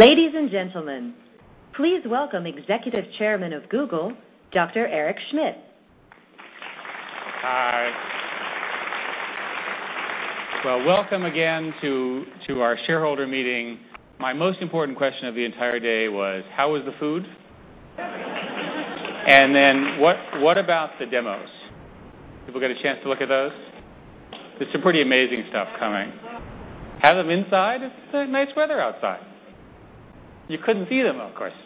Ladies and gentlemen, please welcome Executive Chairman of Google, Dr. Eric Schmidt. Hi. Well, welcome again to our shareholder meeting. My most important question of the entire day was, how was the food? And then, what about the demos? Did we get a chance to look at those? There's some pretty amazing stuff coming. Have them inside? It's nice weather outside. You couldn't see them, of course.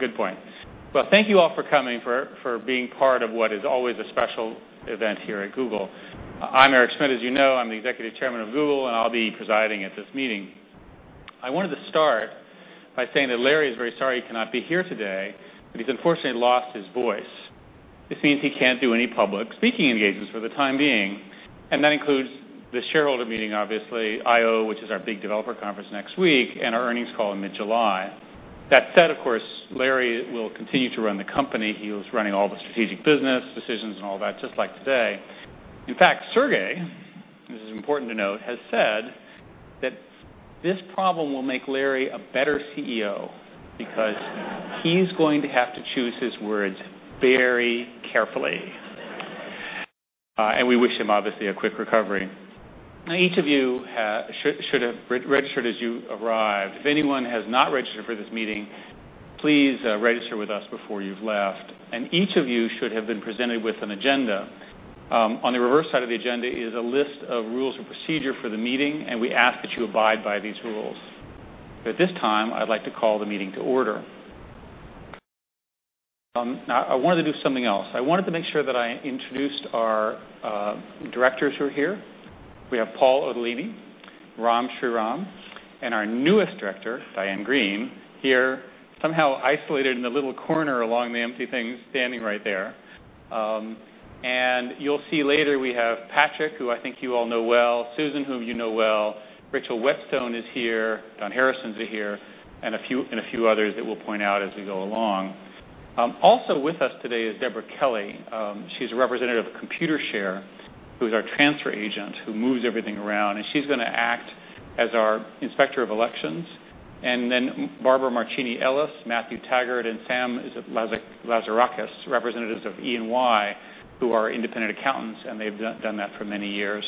Good point. Well, thank you all for coming, for being part of what is always a special event here at Google. I'm Eric Schmidt, as you know. I'm the Executive Chairman of Google, and I'll be presiding at this meeting. I wanted to start by saying that Larry is very sorry he cannot be here today, but he's unfortunately lost his voice. This means he can't do any public speaking engagements for the time being. And that includes the shareholder meeting, obviously, I/O which is our big developer conference next week, and our earnings call in mid-July. That said, of course, Larry will continue to run the company. He was running all the strategic business decisions and all that, just like today. In fact, Sergey, and this is important to note, has said that this problem will make Larry a better CEO because he's going to have to choose his words very carefully. And we wish him, obviously, a quick recovery. Now, each of you should have registered as you arrived. If anyone has not registered for this meeting, please register with us before you've left. And each of you should have been presented with an agenda. On the reverse side of the agenda is a list of rules of procedure for the meeting, and we ask that you abide by these rules. At this time, I'd like to call the meeting to order. Now, I wanted to do something else. I wanted to make sure that I introduced our directors who are here. We have Paul Otellini, Ram Shriram and our newest Director, Diane Greene here. Somehow isolated in the little corner along the empty thing, standing right there, and you'll see later we have Patrick, who I think you all know well, Susan whom you know well, Rachel Whetstone is here, Don Harrison's here, and a few others that we'll point out as we go along. Also with us today is Deborah Kelly. She's a representative of Computershare, who is our transfer agent, who moves everything around and she's going to act as our inspector of elections and then Barbara Marchini Ellis, Matthew Taggart, and Sam Lazarakis, representatives of E&Y, who are independent accountants and they've done that for many years.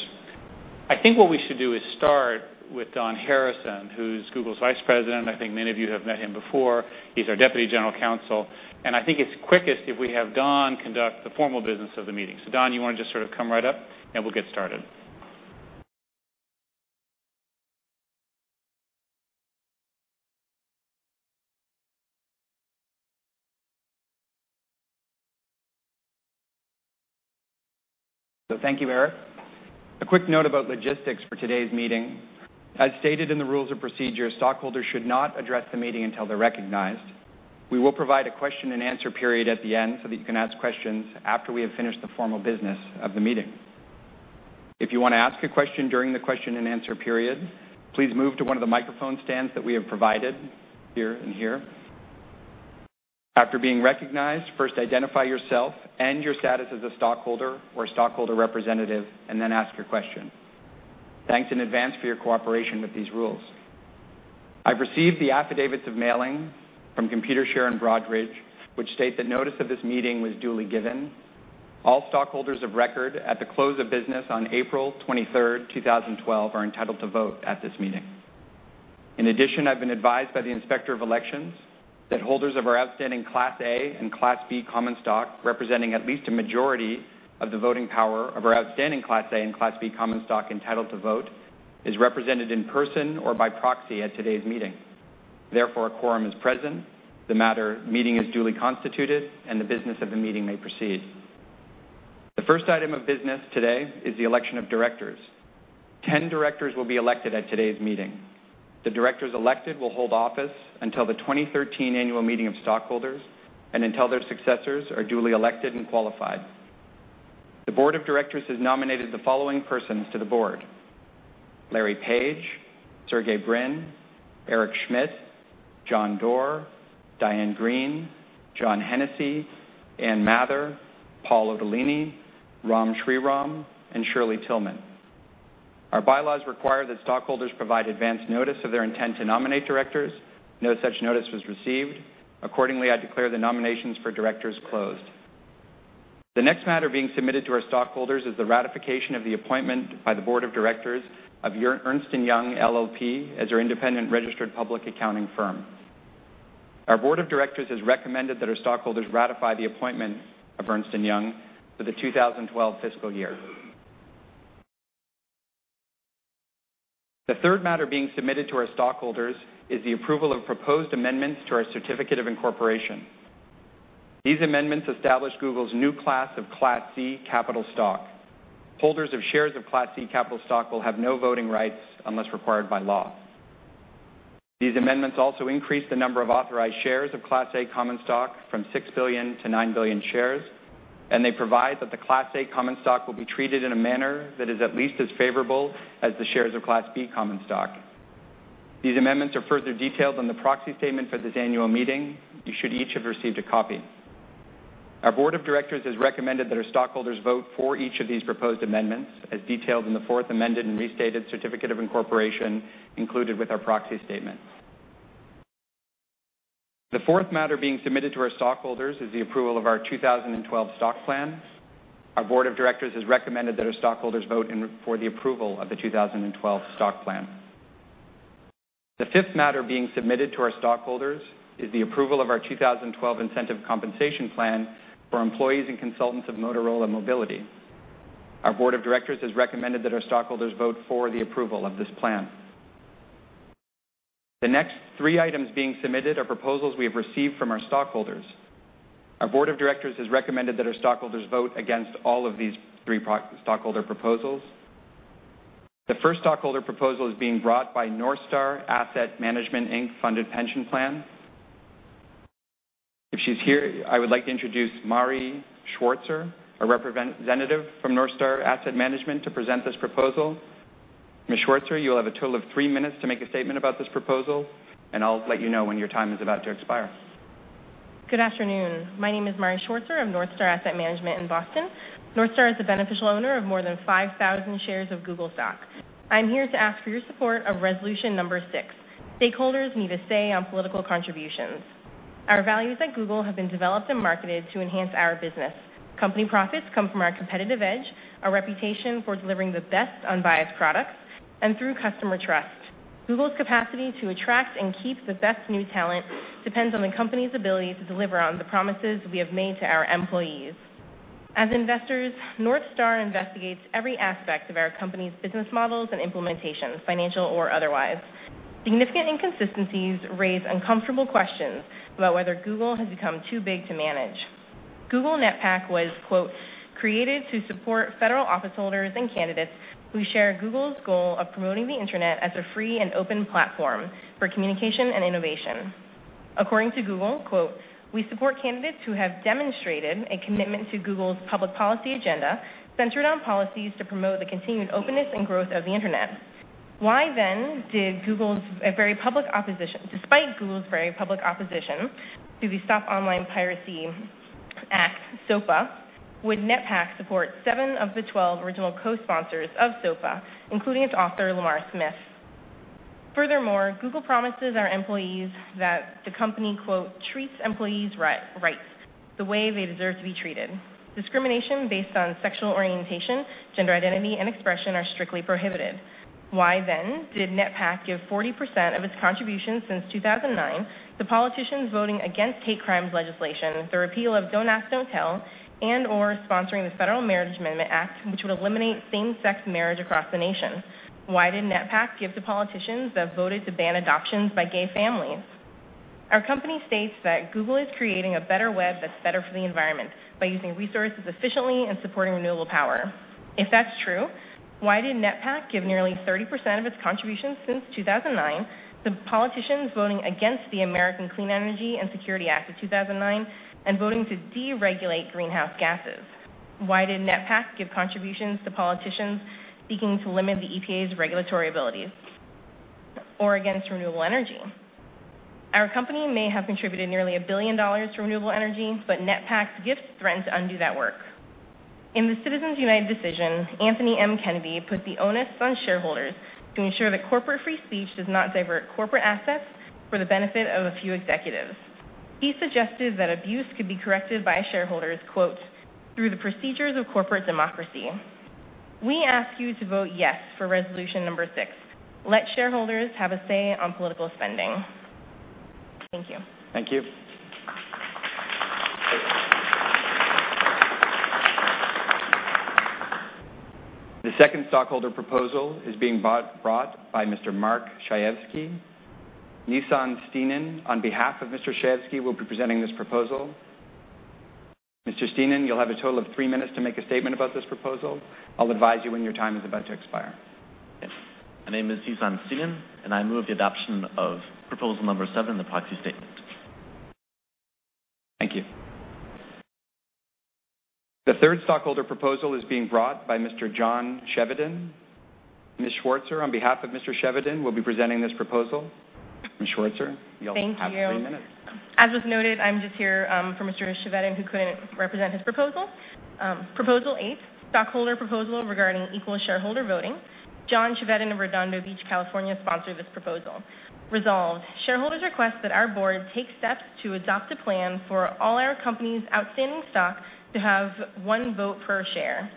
I think what we should do is start with Don Harrison, who's Google's Vice President. I think many of you have met him before. He's our Deputy General Counsel. And I think it's quickest if we have Don conduct the formal business of the meeting. So Don, you want to just sort of come right up, and we'll get started. So thank you, Eric. A quick note about logistics for today's meeting. As stated in the rules of procedure, stockholders should not address the meeting until they're recognized. We will provide a question and answer period at the end so that you can ask questions after we have finished the formal business of the meeting. If you want to ask a question during the question and answer period, please move to one of the microphone stands that we have provided here and here. After being recognized, first identify yourself and your status as a stockholder or a stockholder representative and then ask your question. Thanks in advance for your cooperation with these rules. I've received the affidavits of mailing from Computershare and Broadridge, which state that notice of this meeting was duly given. All stockholders of record at the close of business on April 23rd, 2012 are entitled to vote at this meeting. In addition, I've been advised by the inspector of elections that holders of our outstanding Class A and Class B common stock representing at least a majority of the voting power of our outstanding Class A and Class B common stock entitled to vote, is represented in person or by proxy at today's meeting. Therefore, a quorum is present. The meeting is duly constituted and the business of the meeting may proceed. The first item of business today is the election of directors. 10 Directors will be elected at today's meeting. The Directors elected will hold office until the 2013 annual meeting of stockholders and until their successors are duly elected and qualified. The Board of Directors has nominated the following persons to the board: Larry Page, Sergey Brin, Eric Schmidt, John Doerr, Diane Greene, John Hennessy, Ann Mather, Paul Otellini, Ram Shriram, and Shirley Tilghman. Our bylaws require that stockholders provide advance notice of their intent to nominate Directors. No such notice was received. Accordingly, I declare the nominations for Directors closed. The next matter being submitted to our stockholders is the ratification of the appointment by the Board of Directors of Ernst & Young LLP as our independent registered public accounting firm. Our board of directors has recommended that our stockholders ratify the appointment of Ernst & Young for the 2012 fiscal year. The third matter being submitted to our stockholders is the approval of proposed amendments to our certificate of incorporation. These amendments establish Google's new class of Class C capital stock. Holders of shares of Class C capital stock will have no voting rights unless required by law. These amendments also increase the number of authorized shares of Class A common stock from six billion to nine billion shares, and they provide that the Class A common stock will be treated in a manner that is at least as favorable as the shares of Class B common stock. These amendments are further detailed on the proxy statement for this annual meeting. You should each have received a copy. Our Board of Directors has recommended that our stockholders vote for each of these proposed amendments, as detailed in the Fourth Amended and Restated Certificate of Incorporation included with our proxy statement. The fourth matter being submitted to our stockholders is the approval of our 2012 stock plan. Our Board of Directors has recommended that our stockholders vote for the approval of the 2012 stock plan. The fifth matter being submitted to our stockholders is the approval of our 2012 Incentive Compensation Plan for employees and consultants of Motorola Mobility. Our Board of Directors has recommended that our stockholders vote for the approval of this plan. The next three items being submitted are proposals we have received from our stockholders. Our board of directors has recommended that our stockholders vote against all of these three stockholder proposals. The first stockholder proposal is being brought by Northstar Asset Management, Inc., funded pension plan. If she's here, I would like to introduce Mari Schwartzer, a representative from Northstar Asset Management to present this proposal. Ms. Schwartzer, you'll have a total of three minutes to make a statement about this proposal, and I'll let you know when your time is about to expire. Good afternoon. My name is Mari Schwartzer of Northstar Asset Management in Boston. Northstar is the beneficial owner of more than 5,000 shares of Google stock. I'm here to ask for your support of resolution number six. Stakeholders need a say on political contributions. Our values at Google have been developed and marketed to enhance our business. Company profits come from our competitive edge, our reputation for delivering the best unbiased products, and through customer trust. Google's capacity to attract and keep the best new talent depends on the company's ability to deliver on the promises we have made to our employees. As investors, Northstar investigates every aspect of our company's business models and implementations, financial or otherwise. Significant inconsistencies raise uncomfortable questions about whether Google has become too big to manage. Google NetPAC was "created to support federal officeholders and candidates who share Google's goal of promoting the internet as a free and open platform for communication and innovation." According to Google, "We support candidates who have demonstrated a commitment to Google's public policy agenda centered on policies to promote the continued openness and growth of the internet." Why then, despite Google's very public opposition to the Stop Online Piracy Act, SOPA, did NetPAC support seven of the 12 original co-sponsors of SOPA, including its author, Lamar Smith? Furthermore, Google promises our employees that the company "treats employees' rights the way they deserve to be treated." Discrimination based on sexual orientation, gender identity, and expression are strictly prohibited. Why then did NetPAC give 40% of its contributions since 2009 to politicians voting against hate crimes legislation, the repeal of Don't Ask, Don't Tell and/or sponsoring the Federal Marriage Amendment Act, which would eliminate same-sex marriage across the nation? Why did NetPAC give to politicians that voted to ban adoptions by gay families? Our company states that Google is creating a better web that's better for the environment by using resources efficiently and supporting renewable power. If that's true, why did NetPAC give nearly 30% of its contributions since 2009 to politicians voting against the American Clean Energy and Security Act of 2009 and voting to deregulate greenhouse gases? Why did NetPAC give contributions to politicians seeking to limit the EPA's regulatory abilities or against renewable energy? Our company may have contributed nearly $1 billion to renewable energy, but NetPAC's gifts threaten to undo that work. In the Citizens United Decision, Anthony M. Kennedy put the onus on shareholders to ensure that corporate free speech does not divert corporate assets for the benefit of a few executives. He suggested that abuse could be corrected by shareholders, "through the procedures of corporate democracy." We ask you to vote yes for resolution number six. Let shareholders have a say on political spending. Thank you. Thank you. The second stockholder proposal is being brought by Mr. Mark [Schayevsky]. [Nissan Steenen] on behalf of Mr. [Schayevsky] will be presenting this proposal. Mr. [Steenen] you'll have a total of three minutes to make a statement about this proposal. I'll advise you when your time is about to expire. My name is [Nissan Steenen], and I move the adoption of proposal number seven, the proxy statement. Thank you. The third stockholder proposal is being brought by Mr. John Chevedden. Ms. Schwartzer on behalf of Mr. Chevedden will be presenting this proposal. Ms. Schwartzer, you'll have three minutes. As was noted, I'm just here for Mr. Chevedden who couldn't represent his proposal. Proposal eight, stockholder proposal regarding equal shareholder voting. John Chevedden of Redondo Beach, California sponsored this proposal. Resolved. Shareholders request that our board take steps to adopt a plan for all our company's outstanding stock to have one vote per share.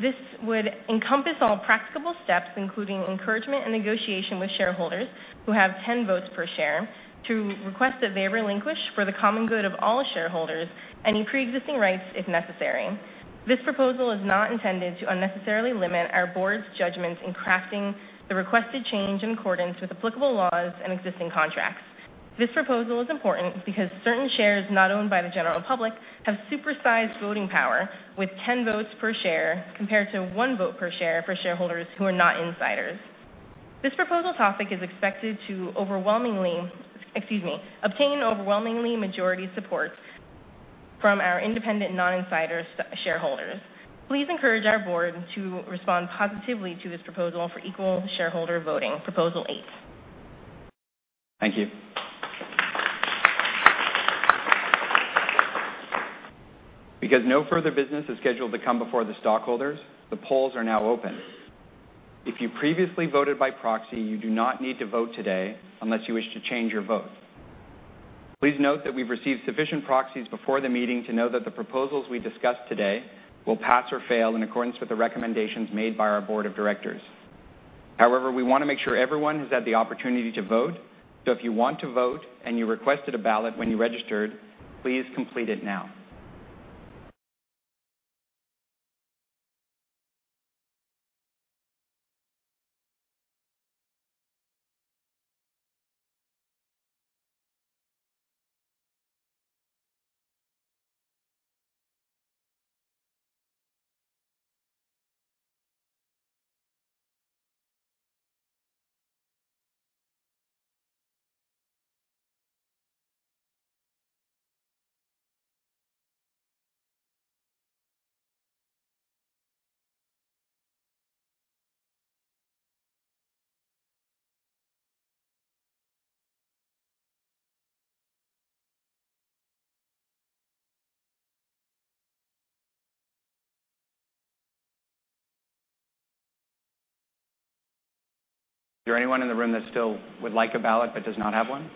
This would encompass all practicable steps, including encouragement and negotiation with shareholders who have 10 votes per share to request that they relinquish for the common good of all shareholders any pre-existing rights if necessary. This proposal is not intended to unnecessarily limit our board's judgments in crafting the requested change in accordance with applicable laws and existing contracts. This proposal is important because certain shares not owned by the general public have supersized voting power with 10 votes per share compared to one vote per share for shareholders who are not insiders. This proposal topic is expected to overwhelmingly obtain overwhelming majority support from our independent non-insider shareholders. Please encourage our board to respond positively to this proposal for equal shareholder voting. Proposal eight. Thank you. Because no further business is scheduled to come before the stockholders, the polls are now open. If you previously voted by proxy, you do not need to vote today unless you wish to change your vote. Please note that we've received sufficient proxies before the meeting to know that the proposals we discuss today will pass or fail in accordance with the recommendations made by our Board of Directors. However, we want to make sure everyone has had the opportunity to vote. So if you want to vote and you requested a ballot when you registered, please complete it now. Is there anyone in the room that still would like a ballot but does not have one?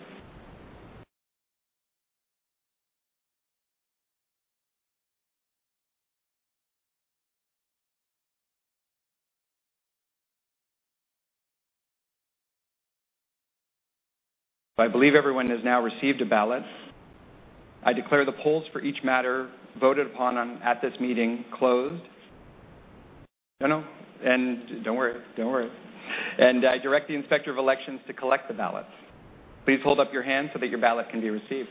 I believe everyone has now received a ballot. I declare the polls for each matter voted upon at this meeting closed. No, no. And don't worry. Don't worry. I direct the inspector of elections to collect the ballots. Please hold up your hand so that your ballot can be received.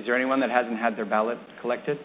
Is there anyone that hasn't had their ballot collected?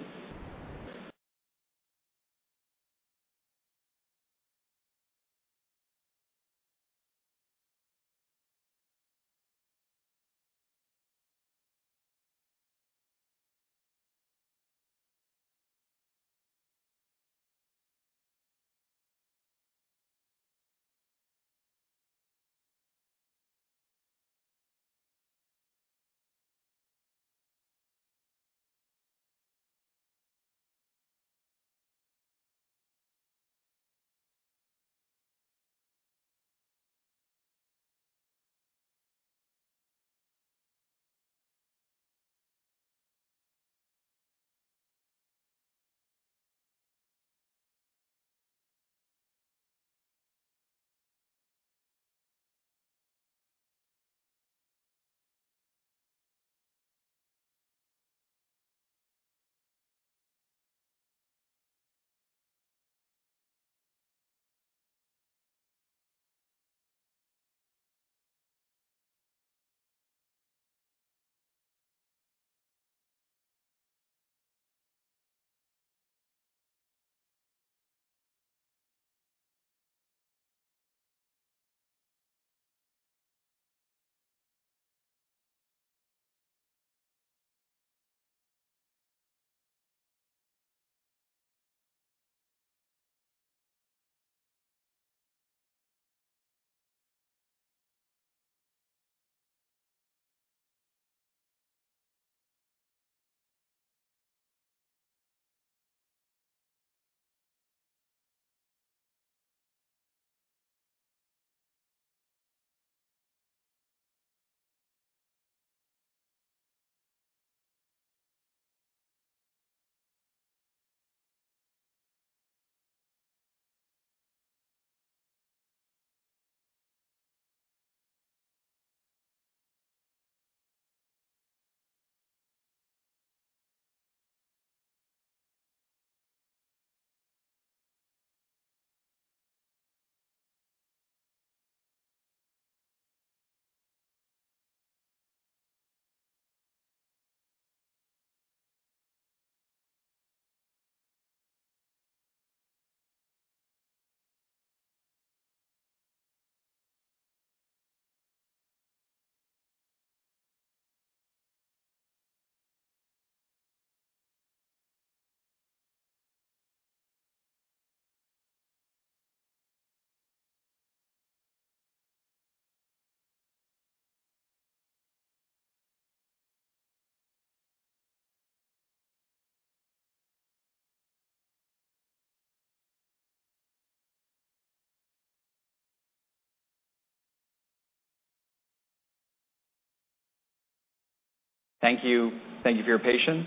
Thank you. Thank you for your patience.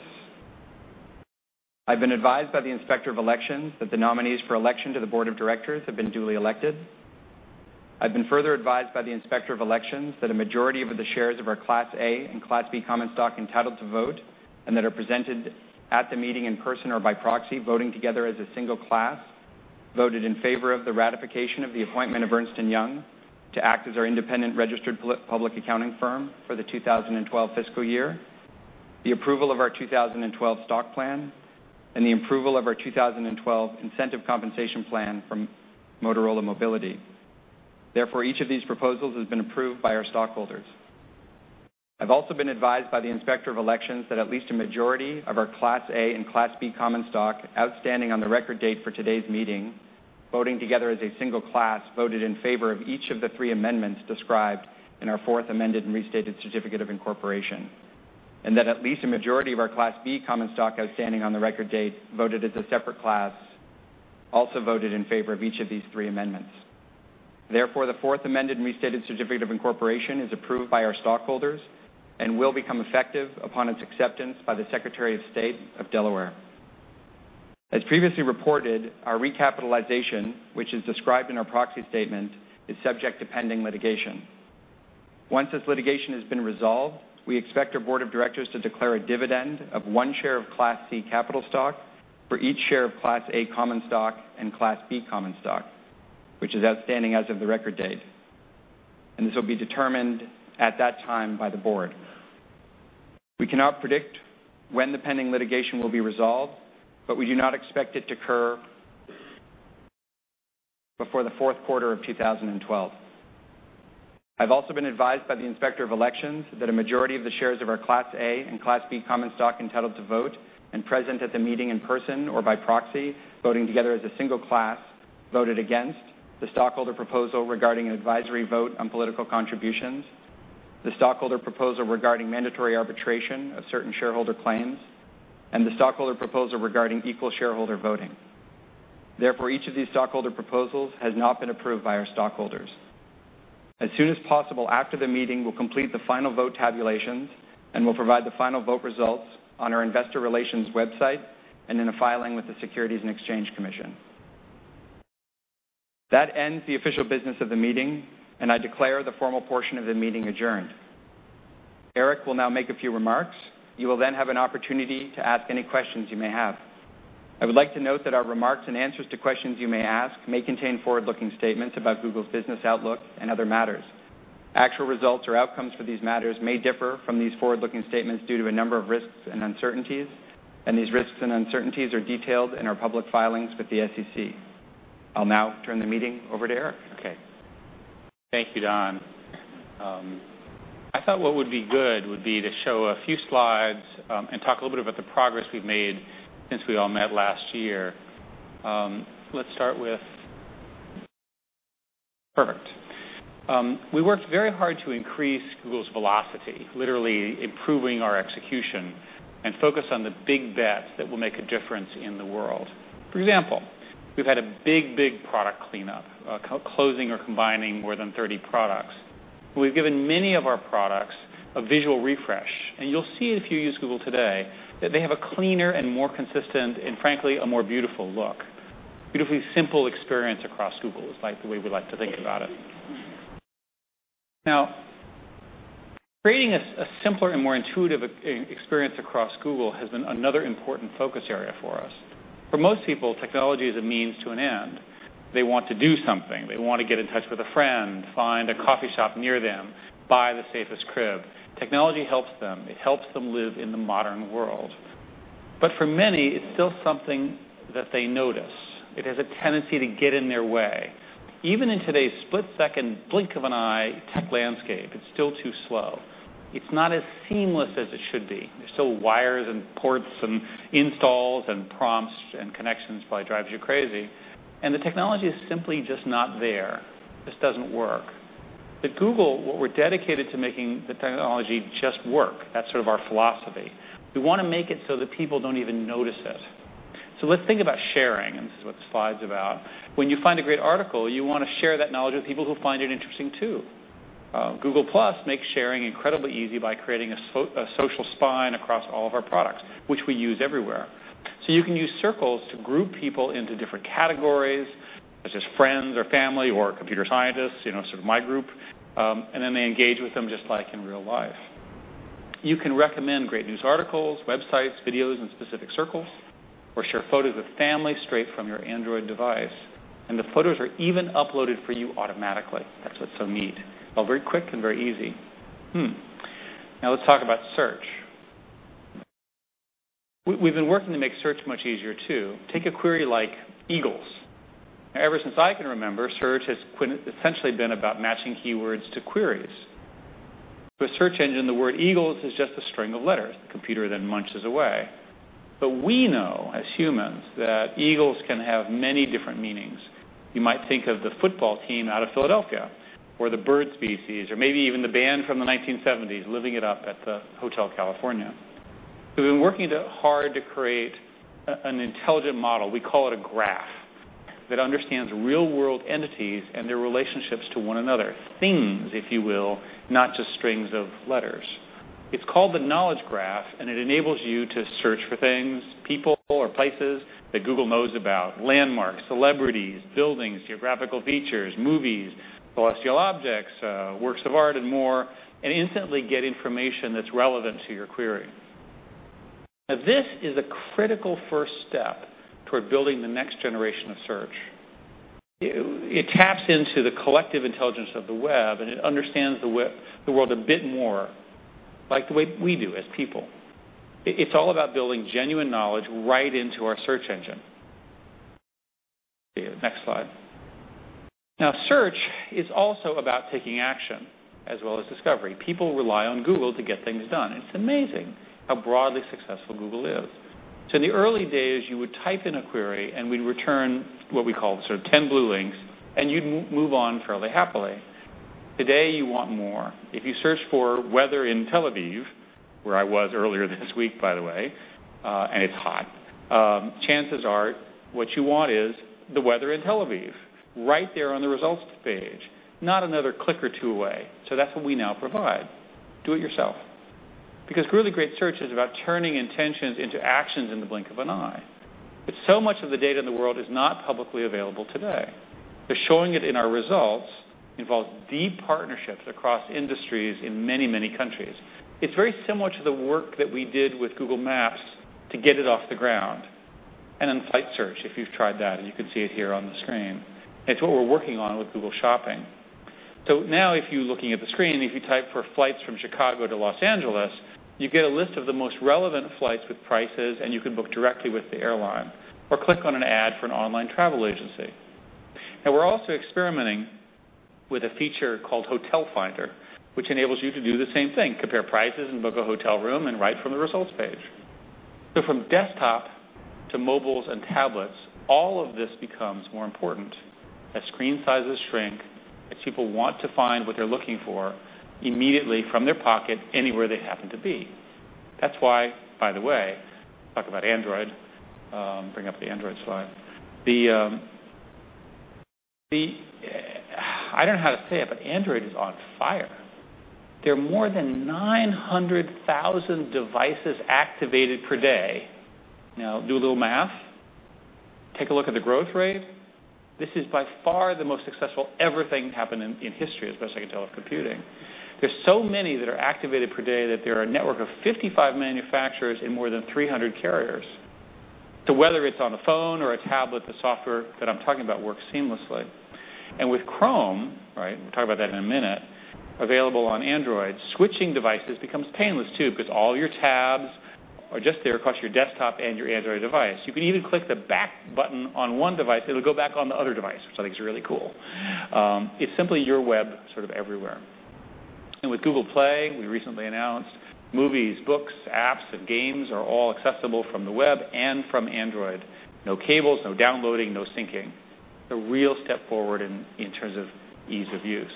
I've been advised by the inspector of elections that the nominees for election to the Board of Directors have been duly elected. I've been further advised by the inspector of elections that a majority of the shares of our Class A and Class B common stock entitled to vote and that are presented at the meeting in person or by proxy, voting together as a single class, voted in favor of the ratification of the appointment of Ernst & Young to act as our independent registered public accounting firm for the 2012 fiscal year, the approval of our 2012 stock plan and the approval of our 2012 incentive compensation plan from Motorola Mobility. Therefore, each of these proposals has been approved by our stockholders. I've also been advised by the inspector of elections that at least a majority of our Class A and Class B common stock outstanding on the record date for today's meeting, voting together as a single class, voted in favor of each of the three amendments described in our Fourth Amended and Restated Certificate of Incorporation. And that at least a majority of our Class B common stock outstanding on the record date voted as a separate class, also voted in favor of each of these three amendments. Therefore, the Fourth Amended and Restated Certificate of Incorporation is approved by our stockholders and will become effective upon its acceptance by the Secretary of State of Delaware. As previously reported, our recapitalization, which is described in our proxy statement, is subject to pending litigation. Once this litigation has been resolved, we expect our Board of Directors to declare a dividend of one share of Class C capital stock for each share of Class A common stock and Class B common stock, which is outstanding as of the record date and this will be determined at that time by the Board. We cannot predict when the pending litigation will be resolved, but we do not expect it to occur before the fourth quarter of 2012. I've also been advised by the inspector of elections that a majority of the shares of our Class A and Class B common stock entitled to vote and present at the meeting in person or by proxy, voting together as a single class, voted against the stockholder proposal regarding an advisory vote on political contributions, the stockholder proposal regarding mandatory arbitration of certain shareholder claims and the stockholder proposal regarding equal shareholder voting. Therefore, each of these stockholder proposals has not been approved by our stockholders. As soon as possible after the meeting, we'll complete the final vote tabulations and we'll provide the final vote results on our investor relations website and in a filing with the Securities and Exchange Commission. That ends the official business of the meeting, and I declare the formal portion of the meeting adjourned. Eric will now make a few remarks. You will then have an opportunity to ask any questions you may have. I would like to note that our remarks and answers to questions you may ask may contain forward-looking statements about Google's business outlook and other matters. Actual results or outcomes for these matters may differ from these forward-looking statements due to a number of risks and uncertainties, and these risks and uncertainties are detailed in our public filings with the SEC. I'll now turn the meeting over to Eric. Okay. Thank you, Don. I thought what would be good would be to show a few slides and talk a little bit about the progress we've made since we all met last year. Let's start with. Perfect. We worked very hard to increase Google's velocity, literally improving our execution and focus on the big bets that will make a difference in the world. For example, we've had a big, big product cleanup, closing or combining more than 30 products. We've given many of our products a visual refresh, and you'll see if you use Google today that they have a cleaner and more consistent and, frankly, a more beautiful look. Beautifully simple experience across Google is like the way we like to think about it. Now, creating a simpler and more intuitive experience across Google has been another important focus area for us. For most people, technology is a means to an end. They want to do something. They want to get in touch with a friend, find a coffee shop near them, buy the safest crib. Technology helps them. It helps them live in the modern world. But for many, it's still something that they notice. It has a tendency to get in their way. Even in today's split-second blink of an eye tech landscape, it's still too slow. It's not as seamless as it should be. There's still wires and ports and installs and prompts and connections, probably drives you crazy, and the technology is simply just not there. This doesn't work. At Google, what we're dedicated to making the technology just work, that's sort of our philosophy. We want to make it so that people don't even notice it, so let's think about sharing, and this is what the slide's about. When you find a great article, you want to share that knowledge with people who find it interesting too. Google Plus makes sharing incredibly easy by creating a social spine across all of our products, which we use everywhere. You can use Circles to group people into different categories, such as friends or family or computer scientists, sort of my group, and then they engage with them just like in real life. You can recommend great news articles, websites, videos in specific Circles, or share photos with family straight from your Android device. And the photos are even uploaded for you automatically. That's what's so neat. Well, very quick and very easy. Now let's talk about search. We've been working to make search much easier too. Take a query like Eagles. Ever since I can remember, search has essentially been about matching keywords to queries. For a search engine, the word Eagles is just a string of letters. The computer then munches away. But we know, as humans, that Eagles can have many different meanings. You might think of the football team out of Philadelphia or the bird species or maybe even the band from the 1970s living it up at the Hotel California. We've been working hard to create an intelligent model. We call it a graph that understands real-world entities and their relationships to one another, things, if you will, not just strings of letters. It's called the Knowledge Graph, and it enables you to search for things, people, or places that Google knows about, landmarks, celebrities, buildings, geographical features, movies, celestial objects, works of art, and more, and instantly get information that's relevant to your query. Now, this is a critical first step toward building the next generation of search. It taps into the collective intelligence of the web, and it understands the world a bit more like the way we do as people. It's all about building genuine knowledge right into our search engine. Next slide. Now, search is also about taking action as well as discovery. People rely on Google to get things done. It's amazing how broadly successful Google is. So in the early days, you would type in a query, and we'd return what we call sort of 10 blue links, and you'd move on fairly happily. Today, you want more. If you search for weather in Tel Aviv, where I was earlier this week, by the way, and it's hot, chances are what you want is the weather in Tel Aviv right there on the results page, not another click or two away. So that's what we now provide. Do it yourself. Because really great search is about turning intentions into actions in the blink of an eye. But so much of the data in the world is not publicly available today. So showing it in our results involves deep partnerships across industries in many, many countries. It's very similar to the work that we did with Google Maps to get it off the ground. And then flight search, if you've tried that, and you can see it here on the screen. It's what we're working on with Google Shopping. So now, if you're looking at the screen, if you type for flights from Chicago to Los Angeles, you get a list of the most relevant flights with prices, and you can book directly with the airline or click on an ad for an online travel agency. Now, we're also experimenting with a feature called Hotel Finder, which enables you to do the same thing, compare prices and book a hotel room right from the results page. So from desktop to mobiles and tablets, all of this becomes more important as screen sizes shrink as people want to find what they're looking for immediately from their pocket anywhere they happen to be. That's why, by the way, talk about Android, bring up the Android slide. I don't know how to say it, but Android is on fire. There are more than 900,000 devices activated per day. Now, do a little math. Take a look at the growth rate. This is by far the most successful everything happened in history, as best I can tell of computing. There's so many that are activated per day that there are a network of 55 manufacturers and more than 300 carriers. So whether it's on a phone or a tablet, the software that I'm talking about works seamlessly. With Chrome, right, we'll talk about that in a minute, available on Android, switching devices becomes painless too because all your tabs are just there across your desktop and your Android device. You can even click the back button on one device, and it'll go back on the other device, which I think is really cool. It's simply your web sort of everywhere. And with Google Play, we recently announced movies, books, apps, and games are all accessible from the web and from Android. No cables, no downloading, no syncing. A real step forward in terms of ease of use.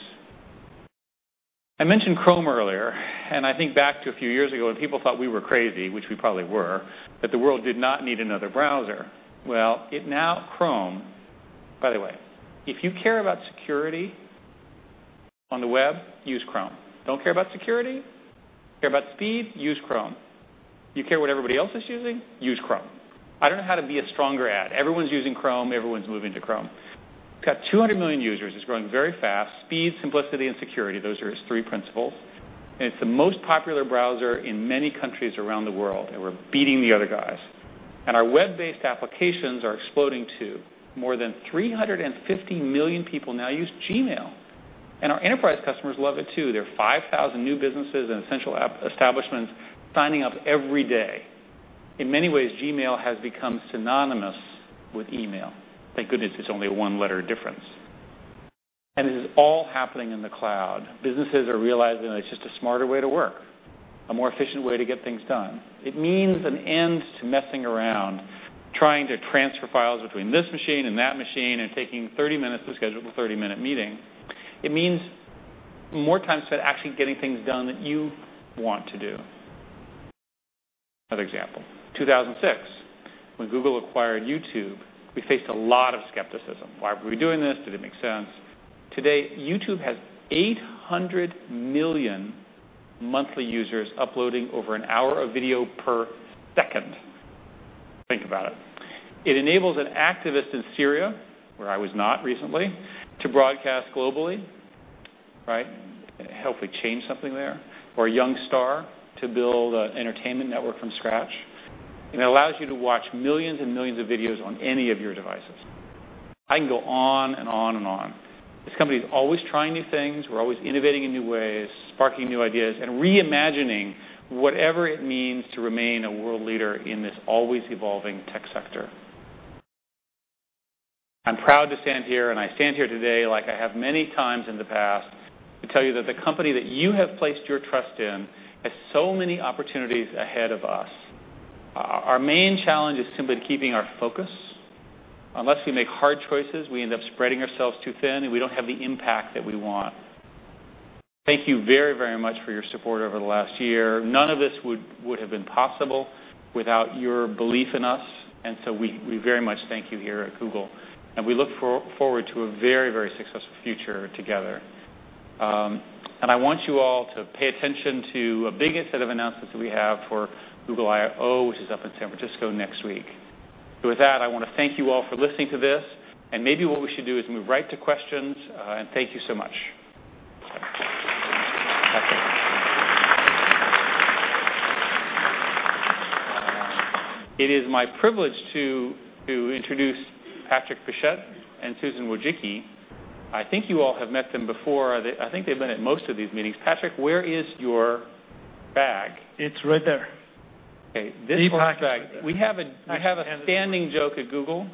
I mentioned Chrome earlier, and I think back to a few years ago when people thought we were crazy, which we probably were, that the world did not need another browser. Well, it's now Chrome. By the way, if you care about security on the web, use Chrome. Don't care about security? Care about speed? Use Chrome. You care what everybody else is using? Use Chrome. I don't know how to be a stronger ad. Everyone's using Chrome. Everyone's moving to Chrome. We've got 200 million users. It's growing very fast. Speed, simplicity, and security, those are its three principles. And it's the most popular browser in many countries around the world, and we're beating the other guys. And our web-based applications are exploding too. More than 350 million people now use Gmail. And our enterprise customers love it too. There are 5,000 new businesses and essential establishments signing up every day. In many ways, Gmail has become synonymous with email. Thank goodness it's only a one-letter difference. And this is all happening in the cloud. Businesses are realizing it's just a smarter way to work, a more efficient way to get things done. It means an end to messing around, trying to transfer files between this machine and that machine and taking 30 minutes to schedule a 30-minute meeting. It means more time spent actually getting things done that you want to do. Another example, 2006, when Google acquired YouTube, we faced a lot of skepticism. Why were we doing this? Did it make sense? Today, YouTube has 800 million monthly users uploading over an hour of video per second. Think about it. It enables an activist in Syria, where I was not recently, to broadcast globally, right? Hopefully change something there, or a young star to build an entertainment network from scratch. And it allows you to watch millions and millions of videos on any of your devices. I can go on and on and on. This company is always trying new things. We're always innovating in new ways, sparking new ideas, and reimagining whatever it means to remain a world leader in this always-evolving tech sector. I'm proud to stand here, and I stand here today like I have many times in the past to tell you that the company that you have placed your trust in has so many opportunities ahead of us. Our main challenge is simply keeping our focus. Unless we make hard choices, we end up spreading ourselves too thin, and we don't have the impact that we want. Thank you very, very much for your support over the last year. None of this would have been possible without your belief in us, and so we very much thank you here at Google, and we look forward to a very, very successful future together. And I want you all to pay attention to a big incentive announcement that we have for Google I/O, which is up in San Francisco next week. With that, I want to thank you all for listening to this, and maybe what we should do is move right to questions. And thank you so much. It is my privilege to introduce Patrick Pichette and Susan Wojcicki. I think you all have met them before. I think they've been at most of these meetings. Patrick, where is your bag? It's right there. Okay. This pocket bag. We have a standing joke at Google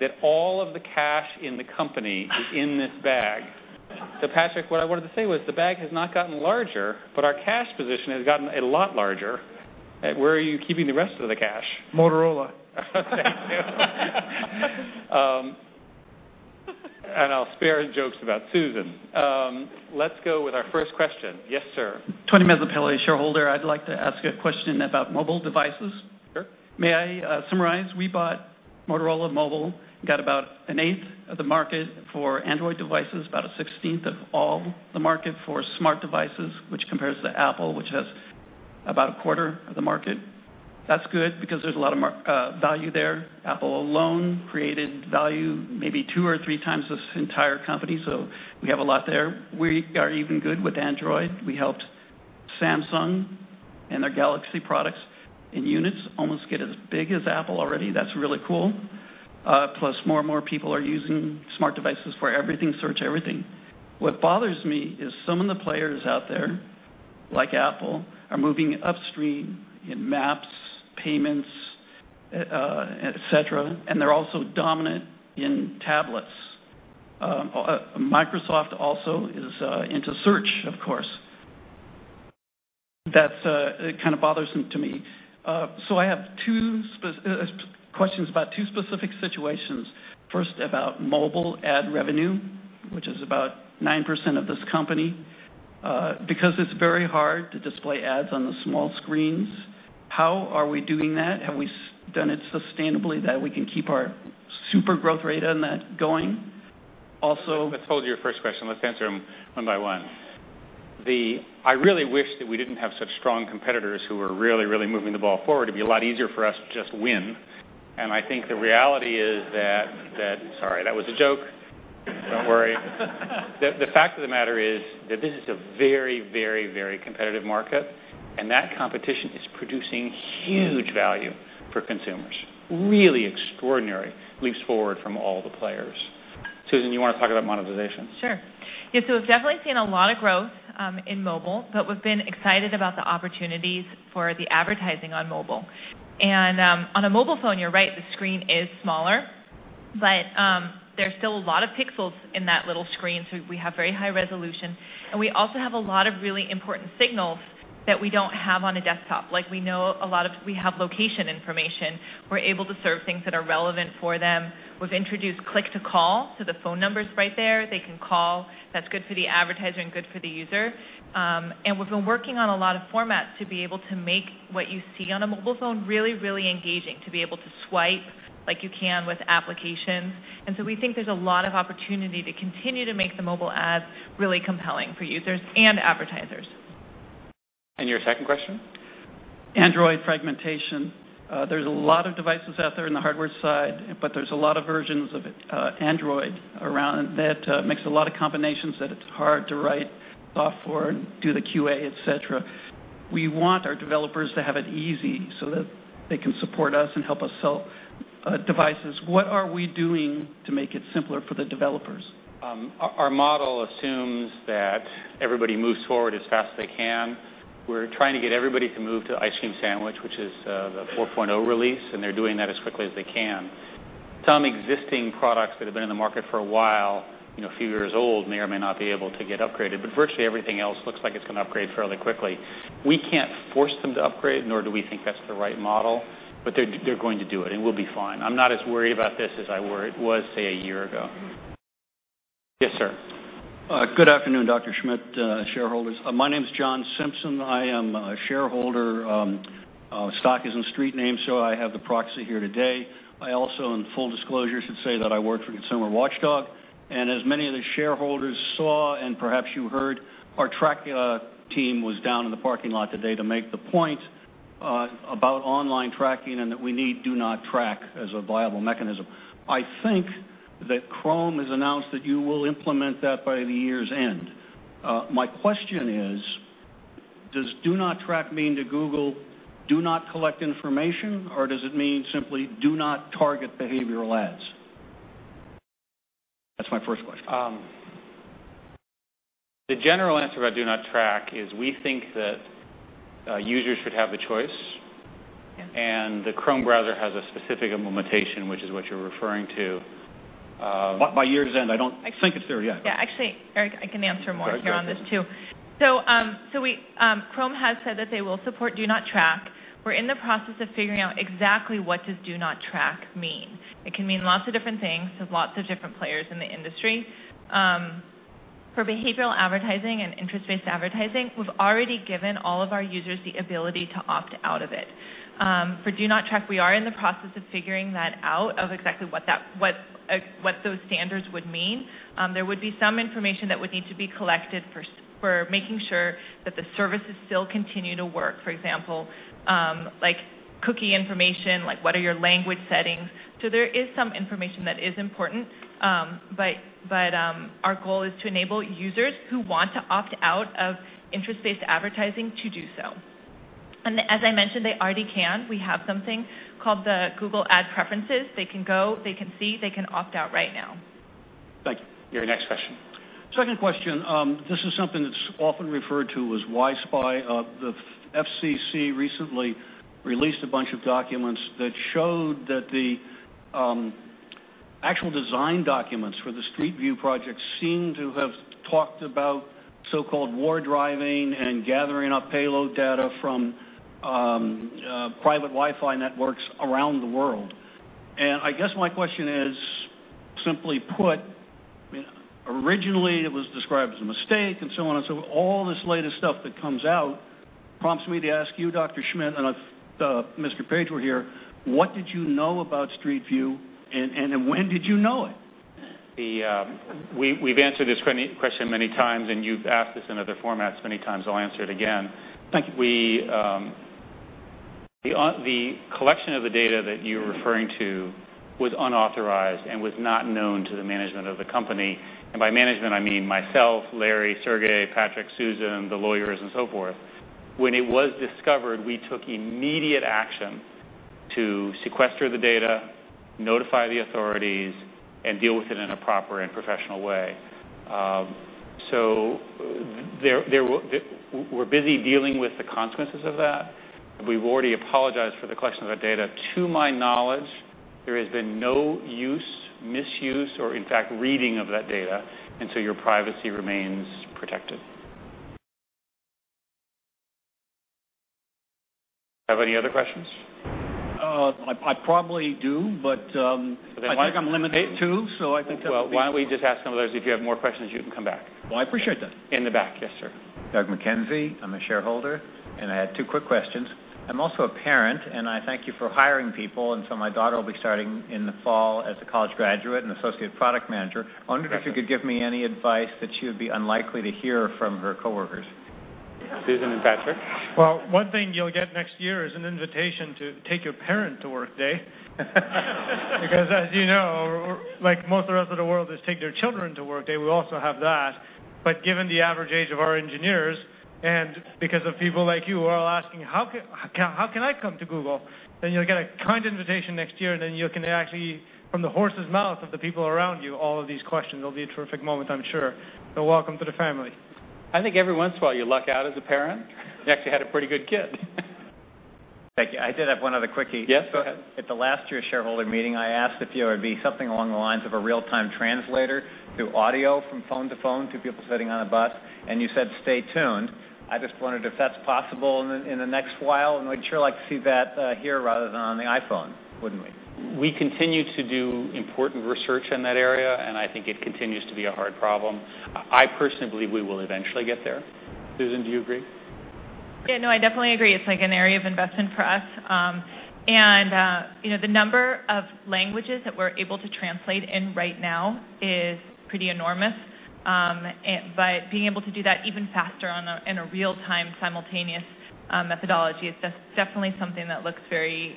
that all of the cash in the company is in this bag. So Patrick, what I wanted to say was the bag has not gotten larger, but our cash position has gotten a lot larger. Where are you keeping the rest of the cash? Motorola. And I'll spare jokes about Susan. Let's go with our first question. Yes, sir. Tony Medley Pillory, shareholder. I'd like to ask a question about mobile devices. Sure. May I summarize? We bought Motorola Mobility, got about an eighth of the market for Android devices about a sixteenth of all the market for smart devices, which compares to Apple, which has about a quarter of the market. That's good because there's a lot of value there. Apple alone created value maybe two or three times this entire company, so we have a lot there. We are even good with Android. We helped Samsung and their Galaxy products and units almost get as big as Apple already. That's really cool. Plus, more and more people are using smart devices for everything, search everything. What bothers me is some of the players out there, like Apple, are moving upstream in maps, payments, etc. and they're also dominant in tablets. Microsoft also is into search, of course. That's kind of bothersome to me. So I have two questions about two specific situations. First, about mobile ad revenue, which is about 9% of this company. Because it's very hard to display ads on the small screens, how are we doing that? Have we done it sustainably that we can keep our super growth rate on that going? Also. Let's hold your first question. Let's answer them one by one. I really wish that we didn't have such strong competitors who are really, really moving the ball forward. It'd be a lot easier for us to just win. And I think the reality is that. Sorry, that was a joke. Don't worry. The fact of the matter is that this is a very, very, very competitive market, and that competition is producing huge value for consumers. Really extraordinary. Leaps forward from all the players. Susan, you want to talk about monetization? Sure. Yeah, so we've definitely seen a lot of growth in mobile, but we've been excited about the opportunities for the advertising on mobile. And on a mobile phone, you're right, the screen is smaller, but there's still a lot of pixels in that little screen, so we have very high resolution. And we also have a lot of really important signals that we don't have on a desktop. Like, we have location information. We're able to serve things that are relevant for them. We've introduced click-to-call, so the phone number's right there. They can call. That's good for the advertiser and good for the user. And we've been working on a lot of formats to be able to make what you see on a mobile phone really, really engaging, to be able to swipe like you can with applications. We think there's a lot of opportunity to continue to make the mobile ads really compelling for users and advertisers. Your second question? Android fragmentation. There's a lot of devices out there on the hardware side, but there's a lot of versions of Android around that makes a lot of combinations that it's hard to write software and do the QA, etc. We want our developers to have it easy so that they can support us and help us sell devices. What are we doing to make it simpler for the developers? Our model assumes that everybody moves forward as fast as they can. We're trying to get everybody to move to Ice Cream Sandwich, which is the 4.0 release, and they're doing that as quickly as they can. Some existing products that have been in the market for a while, a few years old, may or may not be able to get upgraded, but virtually everything else looks like it's going to upgrade fairly quickly. We can't force them to upgrade, nor do we think that's the right model, but they're going to do it, and we'll be fine. I'm not as worried about this as I was, say, a year ago. Yes, sir. Good afternoon, Dr. Schmidt, shareholders. My name is John Simpson. I am a shareholder. Stock is in street name so I have the proxy here today. I also in full disclosure, should say that I work for Consumer Watchdog, and as many of the shareholders saw and perhaps you heard, our tracking team was down in the parking lot today to make the point about online tracking and that we need Do Not Track as a viable mechanism. I think that Chrome has announced that you will implement that by the year's end. My question is, does Do Not Track mean to Google, "Do not collect information," or does it mean simply, "Do not target behavioral ads"? That's my first question. The general answer about Do Not Track is we think that users should have the choice, and the Chrome browser has a specific implementation, which is what you're referring to. By year's end, I don't think it's there yet. Yeah. Actually, Eric, I can answer more here on this too. So Chrome has said that they will support Do Not Track. We're in the process of figuring out exactly what does Do Not Track mean. It can mean lots of different things to lots of different players in the industry. For behavioral advertising and interest-based advertising, we've already given all of our users the ability to opt out of it. For Do Not Track, we are in the process of figuring that out of exactly what those standards would mean. There would be some information that would need to be collected for making sure that the services still continue to work. For example, like cookie information, like what are your language settings. So there is some information that is important, but our goal is to enable users who want to opt out of interest-based advertising to do so. As I mentioned, they already can. We have something called the Google Ad Preferences. They can go, they can see, they can opt out right now. Thank you. Your next question. Second question. This is something that's often referred to as Wi-Spy of the FCC recently released a bunch of documents that showed that the actual design documents for the Street View project seem to have talked about so-called war driving and gathering up payload data from private Wi-Fi networks around the world. And I guess my question is, simply put, originally it was described as a mistake and so on and so forth. All this latest stuff that comes out prompts me to ask you, Dr. Schmidt and Mr. Page were here, what did you know about Street View and when did you know it? We've answered this question many times, and you've asked this in other formats many times. I'll answer it again. The collection of the data that you're referring to was unauthorized and was not known to the management of the company. And by management, I mean myself, Larry, Sergey, Patrick, Susan, the lawyers, and so forth. When it was discovered, we took immediate action to sequester the data, notify the authorities and deal with it in a proper and professional way. So we're busy dealing with the consequences of that. We've already apologized for the collection of that data. To my knowledge, there has been no use, misuse, or in fact reading of that data and so your privacy remains protected. Do you have any other questions? I probably do, but I think I'm limited to, so I think that's it. Why don't we just ask some of those? If you have more questions, you can come back. Well, I appreciate that. In the back. Yes, sir. Doug [McKenzie]. I'm a shareholder, and I had two quick questions. I'm also a parent, and I thank you for hiring people, and so my daughter will be starting in the fall as a college graduate and associate product manager. I wondered if you could give me any advice that she would be unlikely to hear from her coworkers. Susan and Patrick? One thing you'll get next year is an invitation to take your parent to work day. Because as you know, like most of the rest of the world is taking their children to work day, we also have that. But given the average age of our engineers and because of people like you who are asking, "How can I come to Google?" you'll get a kind invitation next year, and then you can actually, from the horse's mouth of the people around you, all of these questions. It'll be a terrific moment, I'm sure. Welcome to the family. I think every once in a while you luck out as a parent. You actually had a pretty good kid. Thank you. I did have one other quickie. Yes? At the last year's shareholder meeting, I asked if there would be something along the lines of a real-time translator through audio from phone to phone to people sitting on a bus, and you said, "Stay tuned." I just wondered if that's possible in the next while, and we'd sure like to see that here rather than on the iPhone, wouldn't we? We continue to do important research in that area, and I think it continues to be a hard problem. I personally believe we will eventually get there. Susan, do you agree? Yeah, no, I definitely agree. It's like an area of investment for us. And the number of languages that we're able to translate in right now is pretty enormous, but being able to do that even faster in a real-time simultaneous methodology is definitely something that looks very.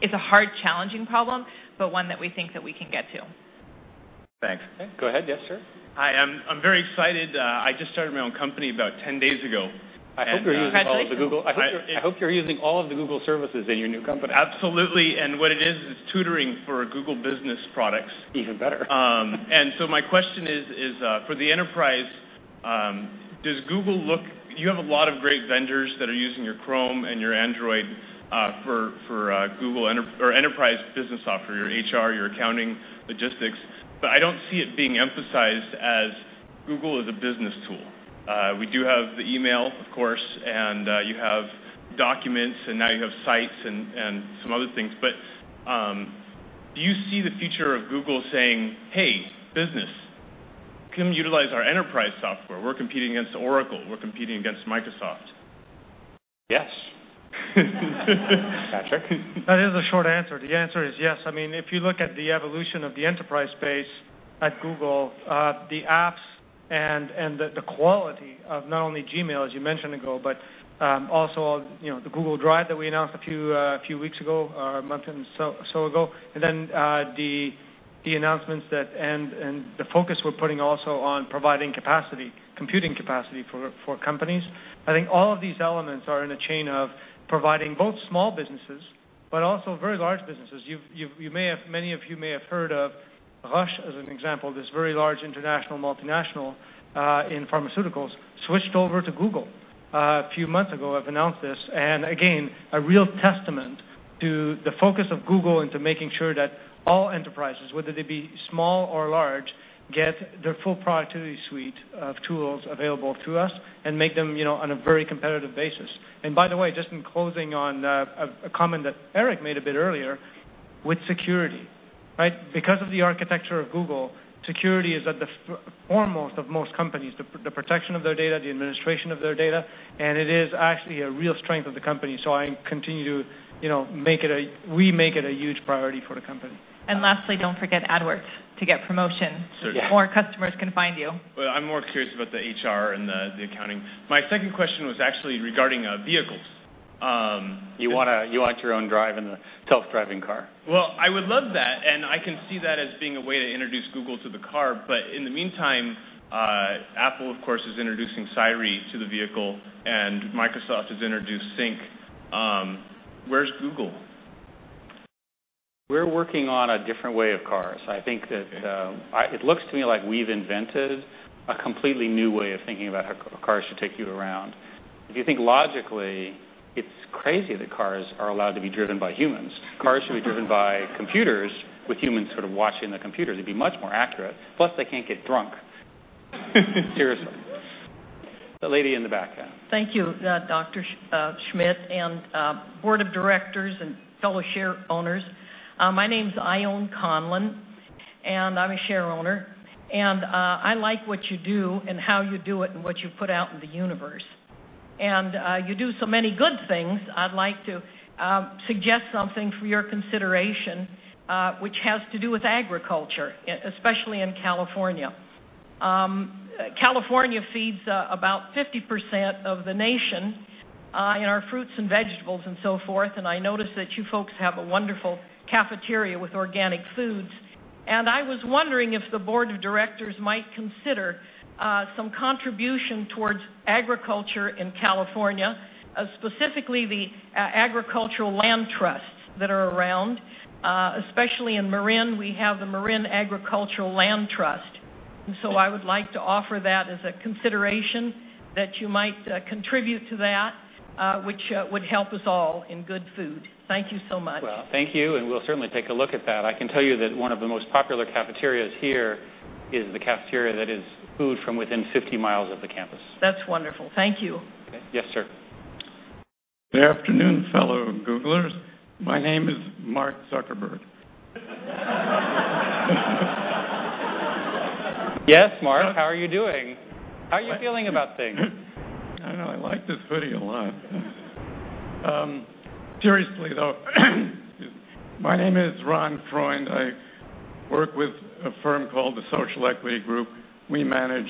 It's a hard, challenging problem, but one that we think that we can get to. Thanks. Go ahead. Yes, sir. Hi. I'm very excited. I just started my own company about 10 days ago. I hope you're using all of the Google services in your new company. Absolutely. And what it is, it's tutoring for Google Business products. Even better. And so my question is, for the enterprise, does Google look? You have a lot of great vendors that are using your Chrome and your Android for Google or enterprise business software, your HR, your accounting, logistics, but I don't see it being emphasized as Google is a business tool. We do have the email, of course, and you have documents, and now you have sites and some other things. But do you see the future of Google saying, "Hey, business, come utilize our enterprise software"? We're competing against Oracle. We're competing against Microsoft. Yes. Patrick? That is a short answer. The answer is yes. I mean, if you look at the evolution of the enterprise space at Google, the apps and the quality of not only Gmail, as you mentioned ago, but also the Google Drive that we announced a few weeks ago, a month or so ago, and the focus we're putting also on providing capacity, computing capacity for companies. I think all of these elements are in a chain of providing both small businesses, but also very large businesses. Many of you may have heard of Roche as an example, this very large international multinational in pharmaceuticals, switched over to Google a few months ago, have announced this. And again, a real testament to the focus of Google into making sure that all enterprises, whether they be small or large, get their full productivity suite of tools available through us and make them on a very competitive basis. And by the way, just in closing on a comment that Eric made a bit earlier, with security, right? Because of the architecture of Google, security is at the foremost of most companies, the protection of their data, the administration of their data, and it is actually a real strength of the company. So I continue to make it a—we make it a huge priority for the company. Lastly, don't forget AdWords to get promotion. Certainly. Before customers can find you. I'm more curious about the HR and the accounting. My second question was actually regarding vehicles. You want your own drive and a self-driving car. I would love that, and I can see that as being a way to introduce Google to the car, but in the meantime, Apple, of course, is introducing Siri to the vehicle, and Microsoft has introduced Sync. Where's Google? We're working on a different way of cars. I think that it looks to me like we've invented a completely new way of thinking about how cars should take you around. If you think logically, it's crazy that cars are allowed to be driven by humans. Cars should be driven by computers with humans sort of watching the computers. It'd be much more accurate. Plus, they can't get drunk. Seriously. The lady in the background. Thank you, Dr. Schmidt and Board of Directors and fellow share owners. My name's Ione Conlan, and I'm a share owner. And I like what you do and how you do it and what you put out in the universe. And you do so many good things. I'd like to suggest something for your consideration, which has to do with agriculture, especially in California. California feeds about 50% of the nation in our fruits and vegetables and so forth, and I noticed that you folks have a wonderful cafeteria with organic foods. And I was wondering if the Board of Directors might consider some contribution towards agriculture in California, specifically the agricultural land trusts that are around, especially in Marin. We have the Marin Agricultural Land Trust. And so I would like to offer that as a consideration that you might contribute to that, which would help us all in good food. Thank you so much. Thank you, and we'll certainly take a look at that. I can tell you that one of the most popular cafeterias here is the cafeteria that is food from within 50 mi of the campus. That's wonderful. Thank you. Yes, sir. Good afternoon, fellow Googlers. My name is Mark Zuckerberg. Yes, Mark. How are you doing? How are you feeling about things? I don't know. I like this hoodie a lot. Seriously, though, my name is Ron Freund. I work with a firm called the Social Equity Group. We manage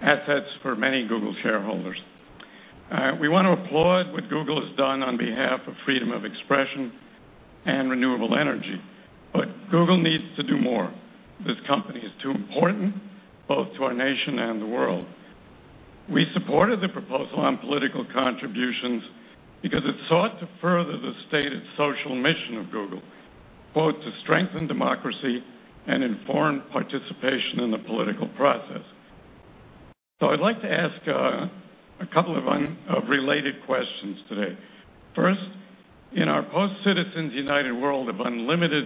assets for many Google shareholders. We want to applaud what Google has done on behalf of freedom of expression and renewable energy, but Google needs to do more. This company is too important, both to our nation and the world. We supported the proposal on political contributions because it sought to further the stated social mission of Google, quote, "To strengthen democracy and inform participation in the political process." So I'd like to ask a couple of related questions today. First, in our post-Citizens United world of unlimited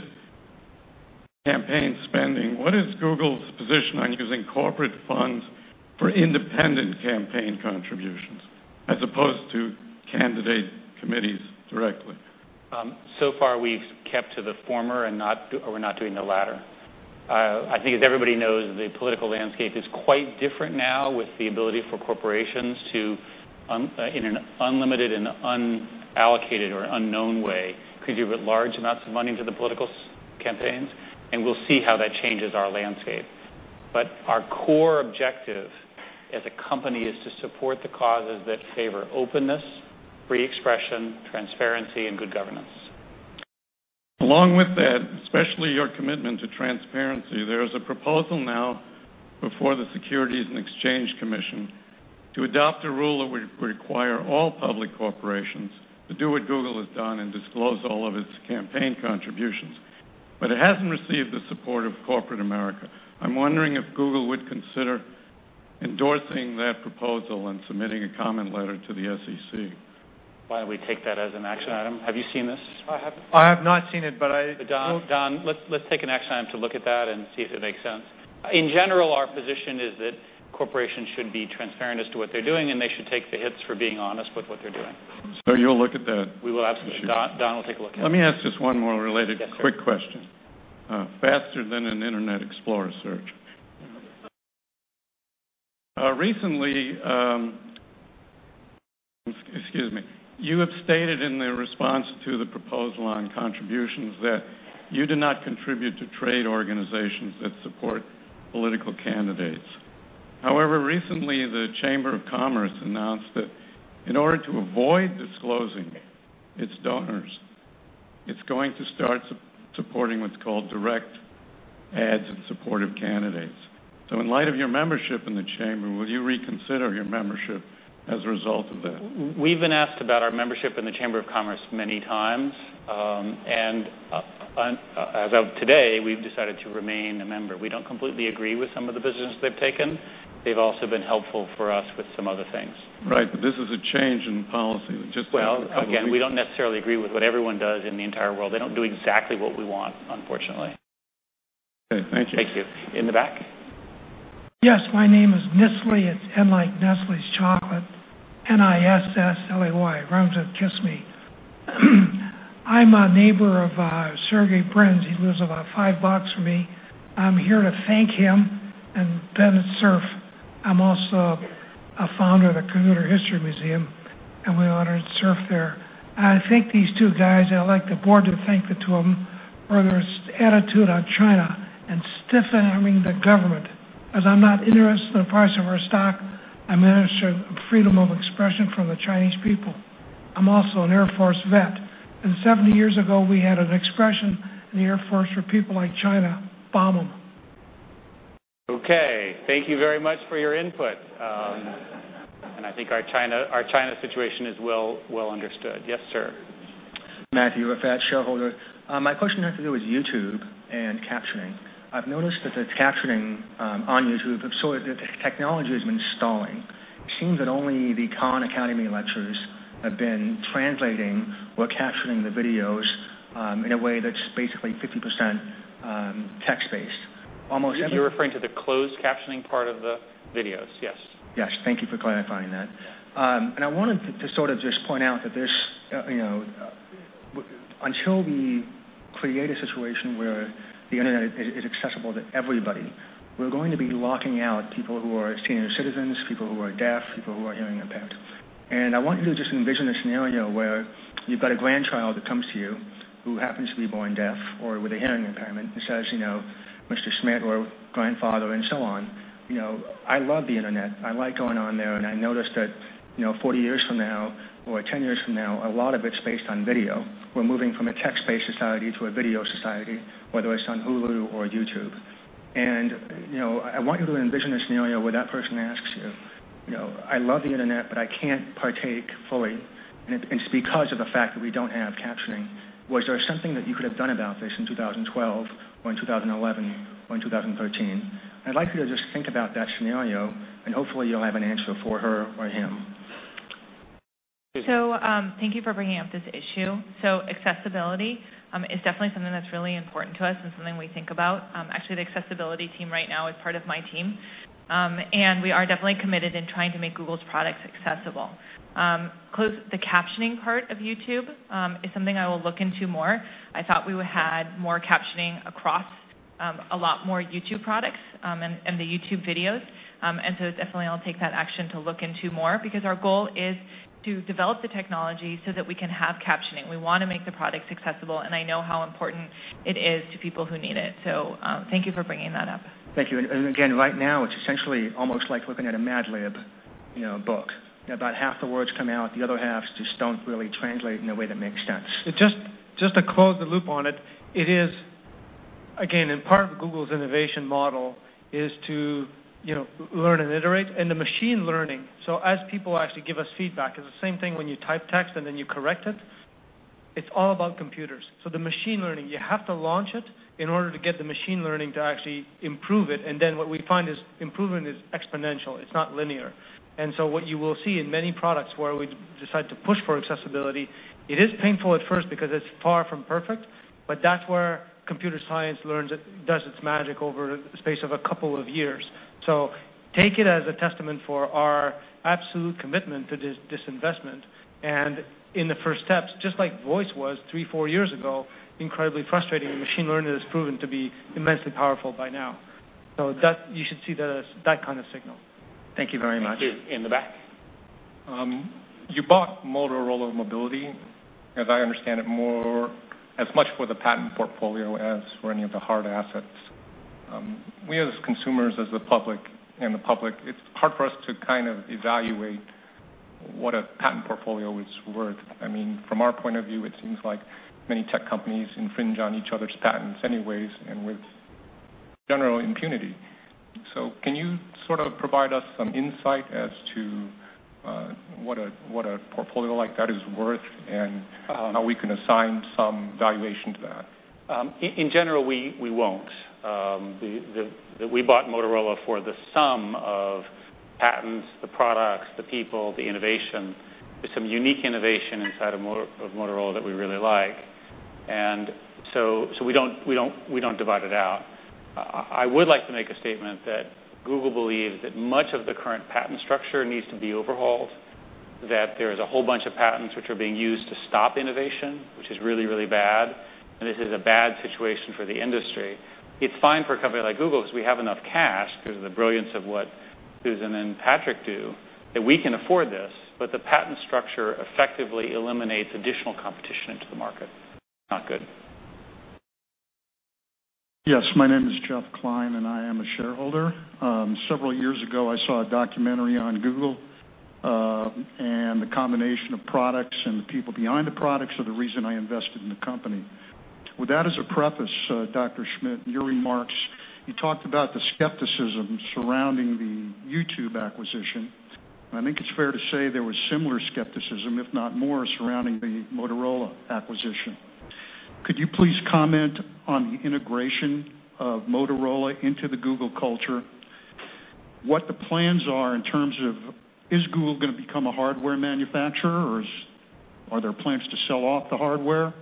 campaign spending, what is Google's position on using corporate funds for independent campaign contributions as opposed to candidate committees directly? So far, we've kept to the former, and we're not doing the latter. I think as everybody knows, the political landscape is quite different now with the ability for corporations to, in an unlimited and unallocated or unknown way, contribute large amounts of money to the political campaigns, and we'll see how that changes our landscape. But our core objective as a company is to support the causes that favor openness, free expression, transparency, and good governance. Along with that, especially your commitment to transparency, there is a proposal now before the Securities and Exchange Commission to adopt a rule that would require all public corporations to do what Google has done and disclose all of its campaign contributions, but it hasn't received the support of corporate America. I'm wondering if Google would consider endorsing that proposal and submitting a comment letter to the SEC. Why don't we take that as an action item? Have you seen this? I haven't. I have not seen it, but I will. Don, let's take an action item to look at that and see if it makes sense. In general, our position is that corporations should be transparent as to what they're doing, and they should take the hits for being honest with what they're doing. So you'll look at that? We will absolutely. Don will take a look at it. Let me ask just one more related quick question. Faster than an Internet Explorer search. Recently, excuse me, you have stated in the response to the proposal on contributions that you do not contribute to trade organizations that support political candidates. However, recently, the Chamber of Commerce announced that in order to avoid disclosing its donors, it's going to start supporting what's called direct ads and supportive candidates. So in light of your membership in the Chamber, will you reconsider your membership as a result of that? We've been asked about our membership in the Chamber of Commerce many times, and as of today, we've decided to remain a member. We don't completely agree with some of the positions they've taken. They've also been helpful for us with some other things. Right, but this is a change in policy. Again, we don't necessarily agree with what everyone does in the entire world. They don't do exactly what we want, unfortunately. Okay, thank you. Thank you. In the back? Yes, my name is Nisslay. It's N like Nestlé's chocolate, N-I-S-S-L-A-Y, rhymes with kiss me. I'm a neighbor of Sergey Brin. He lives about five blocks from me. I'm here to thank him and Vint Cerf. I'm also a founder of the Computer History Museum, and we honored Surf there. I think these two guys, I'd like the Board to thank the two of them for their attitude on China and stiffening the government. As I'm not interested in the price of our stock, I'm interested in freedom of expression for the Chinese people. I'm also an Air Force vet and 70 years ago, we had an expression in the Air Force for people like China, bomb them. Okay. Thank you very much for your input. And I think our China situation is well understood. Yes, sir. Matthew, a fat shareholder. My question has to do with YouTube and captioning. I've noticed that the captioning on YouTube, the technology has been stalling. It seems that only the Khan Academy lectures have been translating or captioning the videos in a way that's basically 50% text-based. You're referring to the closed captioning part of the videos, yes. Yes. Thank you for clarifying that. And I wanted to sort of just point out that until we create a situation where the internet is accessible to everybody, we're going to be locking out people who are senior citizens, people who are deaf, people who are hearing impaired. And I want you to just envision a scenario where you've got a grandchild that comes to you who happens to be born deaf or with a hearing impairment and says, "Mr. Schmidt or grandfather," and so on. I love the internet. I like going on there, and I noticed that 40 years from now or 10 years from now, a lot of it's based on video. We're moving from a text-based society to a video society, whether it's on Hulu or YouTube. I want you to envision a scenario where that person asks you, "I love the internet, but I can't partake fully, and it's because of the fact that we don't have captioning. Was there something that you could have done about this in 2012 or in 2011 or in 2013?" I'd like you to just think about that scenario, and hopefully, you'll have an answer for her or him. Thank you for bringing up this issue. Accessibility is definitely something that's really important to us and something we think about. Actually, the accessibility team right now is part of my team, and we are definitely committed in trying to make Google's products accessible. The captioning part of YouTube is something I will look into more. I thought we had more captioning across a lot more YouTube products and the YouTube videos. And so definitely, I'll take that action to look into more because our goal is to develop the technology so that we can have captioning. We want to make the products accessible, and I know how important it is to people who need it. Thank you for bringing that up. Thank you. And again, right now, it's essentially almost like looking at a Mad Lib book. About half the words come out. The other half just don't really translate in a way that makes sense. Just to close the loop on it, it is, again, in part of Google's innovation model is to learn and iterate, and the machine learning, so as people actually give us feedback, it's the same thing when you type text and then you correct it. It's all about computers. So the machine learning, you have to launch it in order to get the machine learning to actually improve it. And then what we find is improvement is exponential. It's not linear. And so what you will see in many products where we decide to push for accessibility, it is painful at first because it's far from perfect, but that's where computer science does its magic over the space of a couple of years. So take it as a testament for our absolute commitment to this investment. And in the first steps, just like voice was three, four years ago, incredibly frustrating, machine learning has proven to be immensely powerful by now. So you should see that as that kind of signal. Thank you very much. Thank you. In the back. You bought Motorola Mobility, as I understand it, as much for the patent portfolio as for any of the hard assets. We as consumers, as the public, it's hard for us to kind of evaluate what a patent portfolio is worth. I mean, from our point of view, it seems like many tech companies infringe on each other's patents anyways and with general impunity. So can you sort of provide us some insight as to what a portfolio like that is worth and how we can assign some valuation to that? In general, we won't. We bought Motorola for some patents, the products, the people, the innovation. There's some unique innovation inside of Motorola that we really like. And so we don't divide it out. I would like to make a statement that Google believes that much of the current patent structure needs to be overhauled, that there is a whole bunch of patents which are being used to stop innovation, which is really, really bad, and this is a bad situation for the industry. It's fine for a company like Google because we have enough cash because of the brilliance of what Susan and Patrick do, that we can afford this, but the patent structure effectively eliminates additional competition into the market. Not good. Yes, my name is Jeff Kline, and I am a shareholder. Several years ago, I saw a documentary on Google, and the combination of products and the people behind the products are the reason I invested in the company. With that as a preface, Dr. Schmidt, your remarks, you talked about the skepticism surrounding the YouTube acquisition. I think it's fair to say there was similar skepticism, if not more, surrounding the Motorola acquisition. Could you please comment on the integration of Motorola into the Google culture, what the plans are in terms of is Google going to become a hardware manufacturer, or are there plans to sell off the hardware?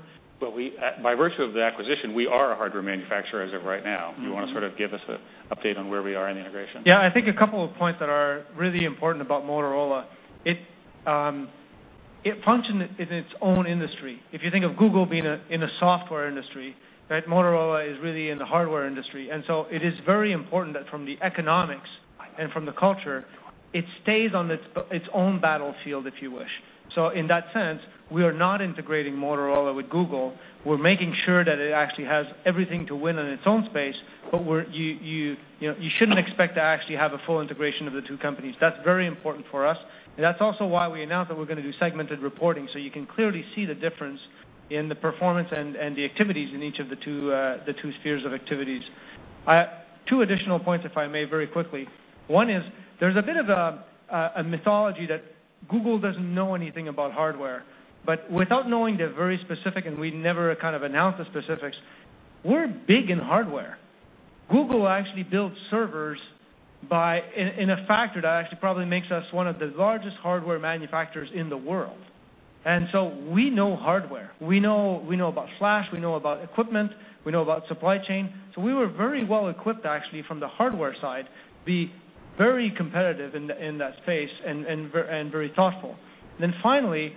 By virtue of the acquisition, we are a hardware manufacturer as of right now. Do you want to sort of give us an update on where we are in the integration? Yeah, I think a couple of points that are really important about Motorola. It functions in its own industry. If you think of Google being in a software industry, Motorola is really in the hardware industry. And so it is very important that from the economics and from the culture, it stays on its own battlefield, if you wish. So in that sense, we are not integrating Motorola with Google. We're making sure that it actually has everything to win in its own space, but you shouldn't expect to actually have a full integration of the two companies. That's very important for us. And that's also why we announced that we're going to do segmented reporting so you can clearly see the difference in the performance and the activities in each of the two spheres of activities. Two additional points, if I may, very quickly. One is there's a bit of a mythology that Google doesn't know anything about hardware, but without knowing the very specifics, and we never kind of announced the specifics, we're big in hardware. Google actually builds servers in a factory that actually probably makes us one of the largest hardware manufacturers in the world, and so we know hardware. We know about flash. We know about equipment. We know about supply chain. So we were very well equipped, actually, from the hardware side, to be very competitive in that space and very thoughtful. Then finally,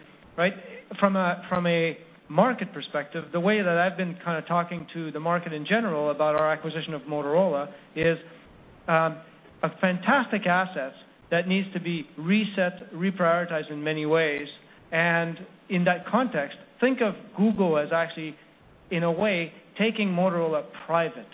from a market perspective, the way that I've been kind of talking to the market in general about our acquisition of Motorola is a fantastic asset that needs to be reset, reprioritized in many ways, and in that context, think of Google as actually, in a way, taking Motorola private.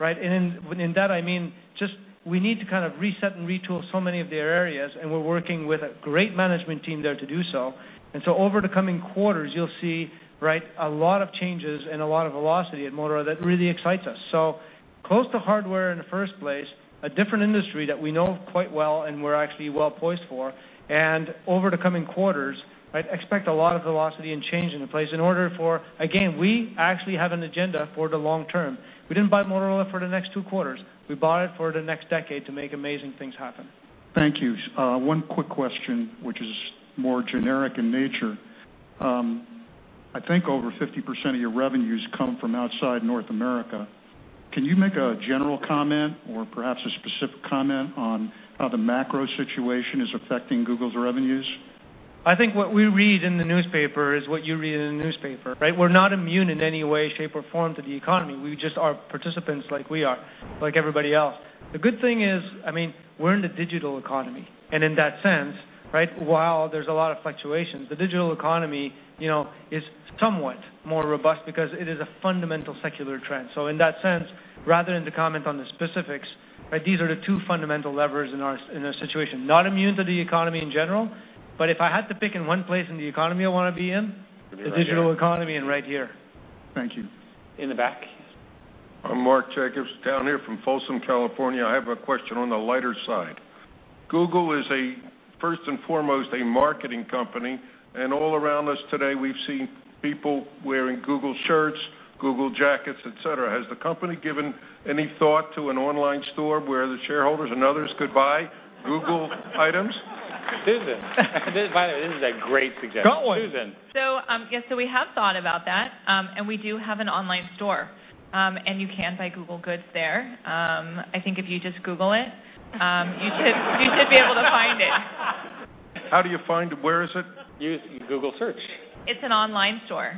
And in that, I mean, just we need to kind of reset and retool so many of their areas, and we're working with a great management team there to do so. And so over the coming quarters, you'll see a lot of changes and a lot of velocity at Motorola that really excites us. So close to hardware in the first place, a different industry that we know quite well and we're actually well poised for, and over the coming quarters, expect a lot of velocity and change in the place in order for, again, we actually have an agenda for the long term. We didn't buy Motorola for the next two quarters. We bought it for the next decade to make amazing things happen. Thank you. One quick question, which is more generic in nature. I think over 50% of your revenues come from outside North America. Can you make a general comment or perhaps a specific comment on how the macro situation is affecting Google's revenues? I think what we read in the newspaper is what you read in the newspaper. We're not immune in any way, shape, or form to the economy. We just are participants like we are, like everybody else. The good thing is, I mean, we're in the digital economy, and in that sense, while there's a lot of fluctuations, the digital economy is somewhat more robust because it is a fundamental secular trend. So in that sense, rather than to comment on the specifics, these are the two fundamental levers in our situation. Not immune to the economy in general, but if I had to pick in one place in the economy I want to be in, the digital economy and right here. Thank you. In the back. I'm Mark Jacobs down here from Folsom, California. I have a question on the lighter side. Google is, first and foremost, a marketing company, and all around us today, we've seen people wearing Google shirts, Google jackets, etc. Has the company given any thought to an online store where the shareholders and others could buy Google items? By the way, this is a great suggestion. Go on. Susan. So yes, so we have thought about that, and we do have an online store. And you can buy Google goods there. I think if you just Google it, you should be able to find it. How do you find it? Where is it? Use Google Search. It's an online store.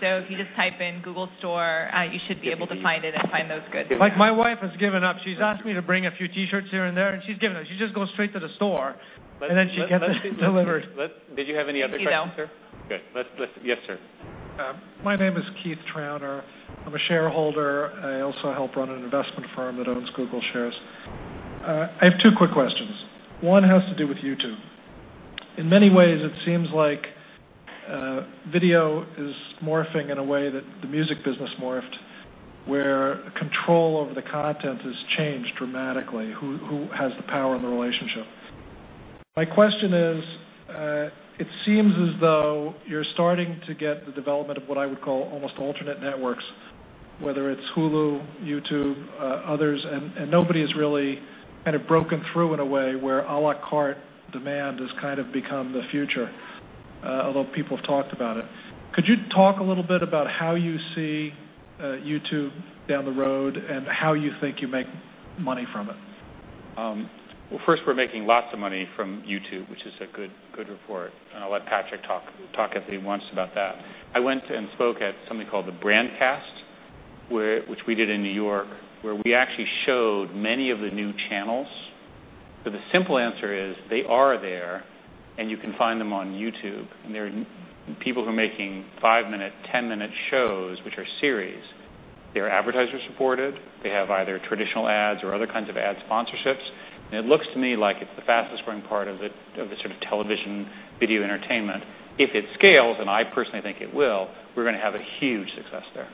So if you just type in Google Store, you should be able to find it and find those goods. My wife has given up. She's asked me to bring a few T-shirts here and there, and she's given up. She just goes straight to the store, and then she gets it delivered. Did you have any other questions, sir? Good. Yes, sir. My name is Keith Trauner. I'm a shareholder. I also help run an investment firm that owns Google shares. I have two quick questions. One has to do with YouTube. In many ways, it seems like video is morphing in a way that the music business morphed, where control over the content has changed dramatically. Who has the power in the relationship? My question is, it seems as though you're starting to get the development of what I would call almost alternate networks, whether it's Hulu, YouTube, others, and nobody has really kind of broken through in a way where à la carte demand has kind of become the future, although people have talked about it. Could you talk a little bit about how you see YouTube down the road and how you think you make money from it? Well, first, we're making lots of money from YouTube, which is a good report. And I'll let Patrick talk if he wants about that. I went and spoke at something called the Brandcast, which we did in New York, where we actually showed many of the new channels. But the simple answer is they are there, and you can find them on YouTube. And there are people who are making five-minute, 10-minute shows, which are series. They're advertiser-supported. They have either traditional ads or other kinds of ad sponsorships. And it looks to me like it's the fastest-growing part of the sort of television video entertainment. If it scales, and I personally think it will, we're going to have a huge success there.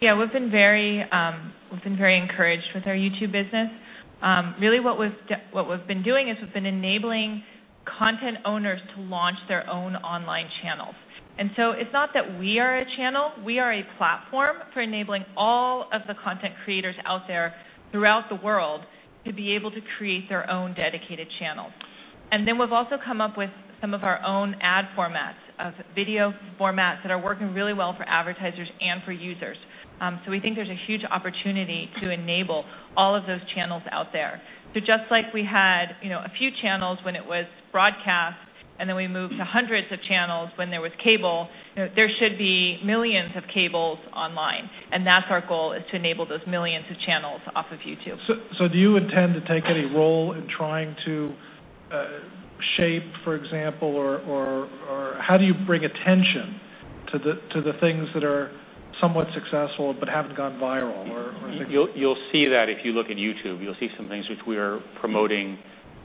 Yeah, we've been very encouraged with our YouTube business. Really, what we've been doing is we've been enabling content owners to launch their own online channels. And so it's not that we are a channel. We are a platform for enabling all of the content creators out there throughout the world to be able to create their own dedicated channels. And then we've also come up with some of our own ad formats of video formats that are working really well for advertisers and for users. So we think there's a huge opportunity to enable all of those channels out there. So just like we had a few channels when it was broadcast, and then we moved to hundreds of channels when there was cable, there should be millions of channels online. And that's our goal, is to enable those millions of channels off of YouTube. So do you intend to take any role in trying to shape, for example, or how do you bring attention to the things that are somewhat successful but haven't gone viral? You'll see that if you look at YouTube. You'll see some things which we are promoting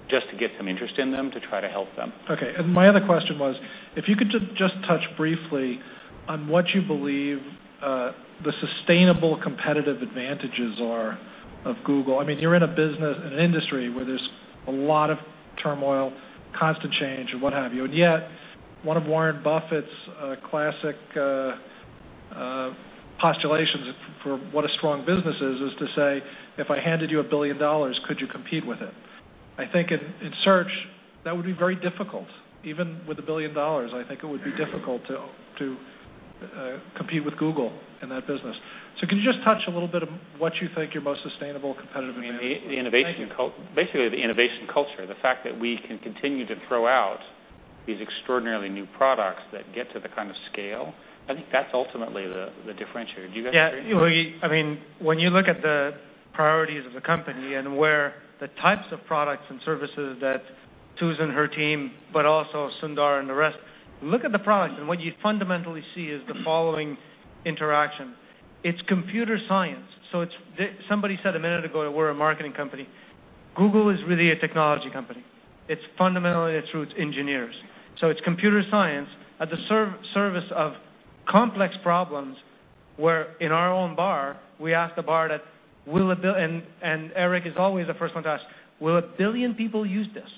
just to get some interest in them to try to help them. Okay. And my other question was, if you could just touch briefly on what you believe the sustainable competitive advantages are of Google. I mean, you're in a business, an industry where there's a lot of turmoil, constant change, and what have you. And yet, one of Warren Buffett's classic postulations for what a strong business is, is to say, "If I handed you $1 billion, could you compete with it?" I think in search, that would be very difficult. Even with $1 billion, I think it would be difficult to compete with Google in that business. So can you just touch a little bit of what you think your most sustainable competitive advantage is? Basically, the innovation culture. The fact that we can continue to throw out these extraordinarily new products that get to the kind of scale. I think that's ultimately the differentiator. Do you guys? Yeah. I mean, when you look at the priorities of the company and where the types of products and services that Susan and her team, but also Sundar and the rest, look at the products, and what you fundamentally see is the following interaction. It's computer science. So somebody said a minute ago that we're a marketing company. Google is really a technology company. It's fundamentally through its engineers. So it's computer science at the service of complex problems where, in our own bar, we asked the bar that, and Eric is always the first one to ask, "Will a billion people use this?"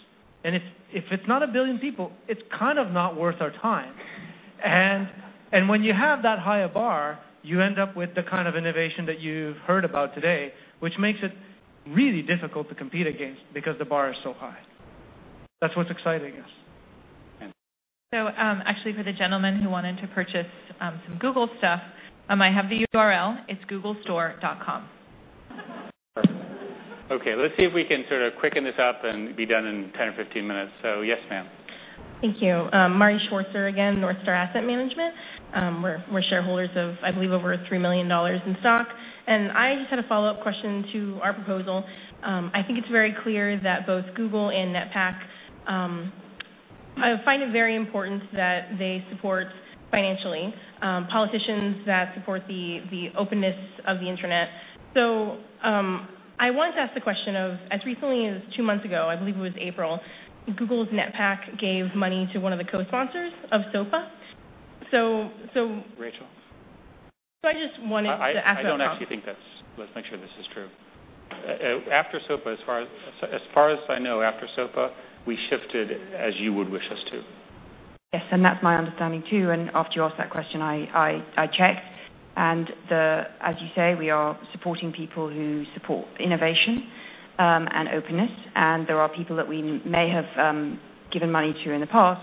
And if it's not a billion people, it's kind of not worth our time. When you have that high a bar, you end up with the kind of innovation that you've heard about today, which makes it really difficult to compete against because the bar is so high. That's what's exciting us. Actually, for the gentleman who wanted to purchase some Google stuff, I have the URL. It's store.google.com. Perfect. Okay. Let's see if we can sort of quicken this up and be done in 10 or 15 minutes. So yes, ma'am. Thank you. Mari Schwartzer again, Northstar Asset Management. We're shareholders of, I believe, over $3 million in stock. I just had a follow-up question to our proposal. I think it's very clear that both Google and NetPAC. I find it very important that they support financially politicians that support the openness of the internet. So I wanted to ask the question of, as recently as two months ago, I believe it was April, Google's NetPAC gave money to one of the co-sponsors of SOPA. So. Rachel. So I just wanted to ask that question. I don't actually think that's. Let's make sure this is true. After SOPA, as far as I know, after SOPA, we shifted as you would wish us to. Yes, and that's my understanding too. After you asked that question, I checked, and as you say, we are supporting people who support innovation and openness, and there are people that we may have given money to in the past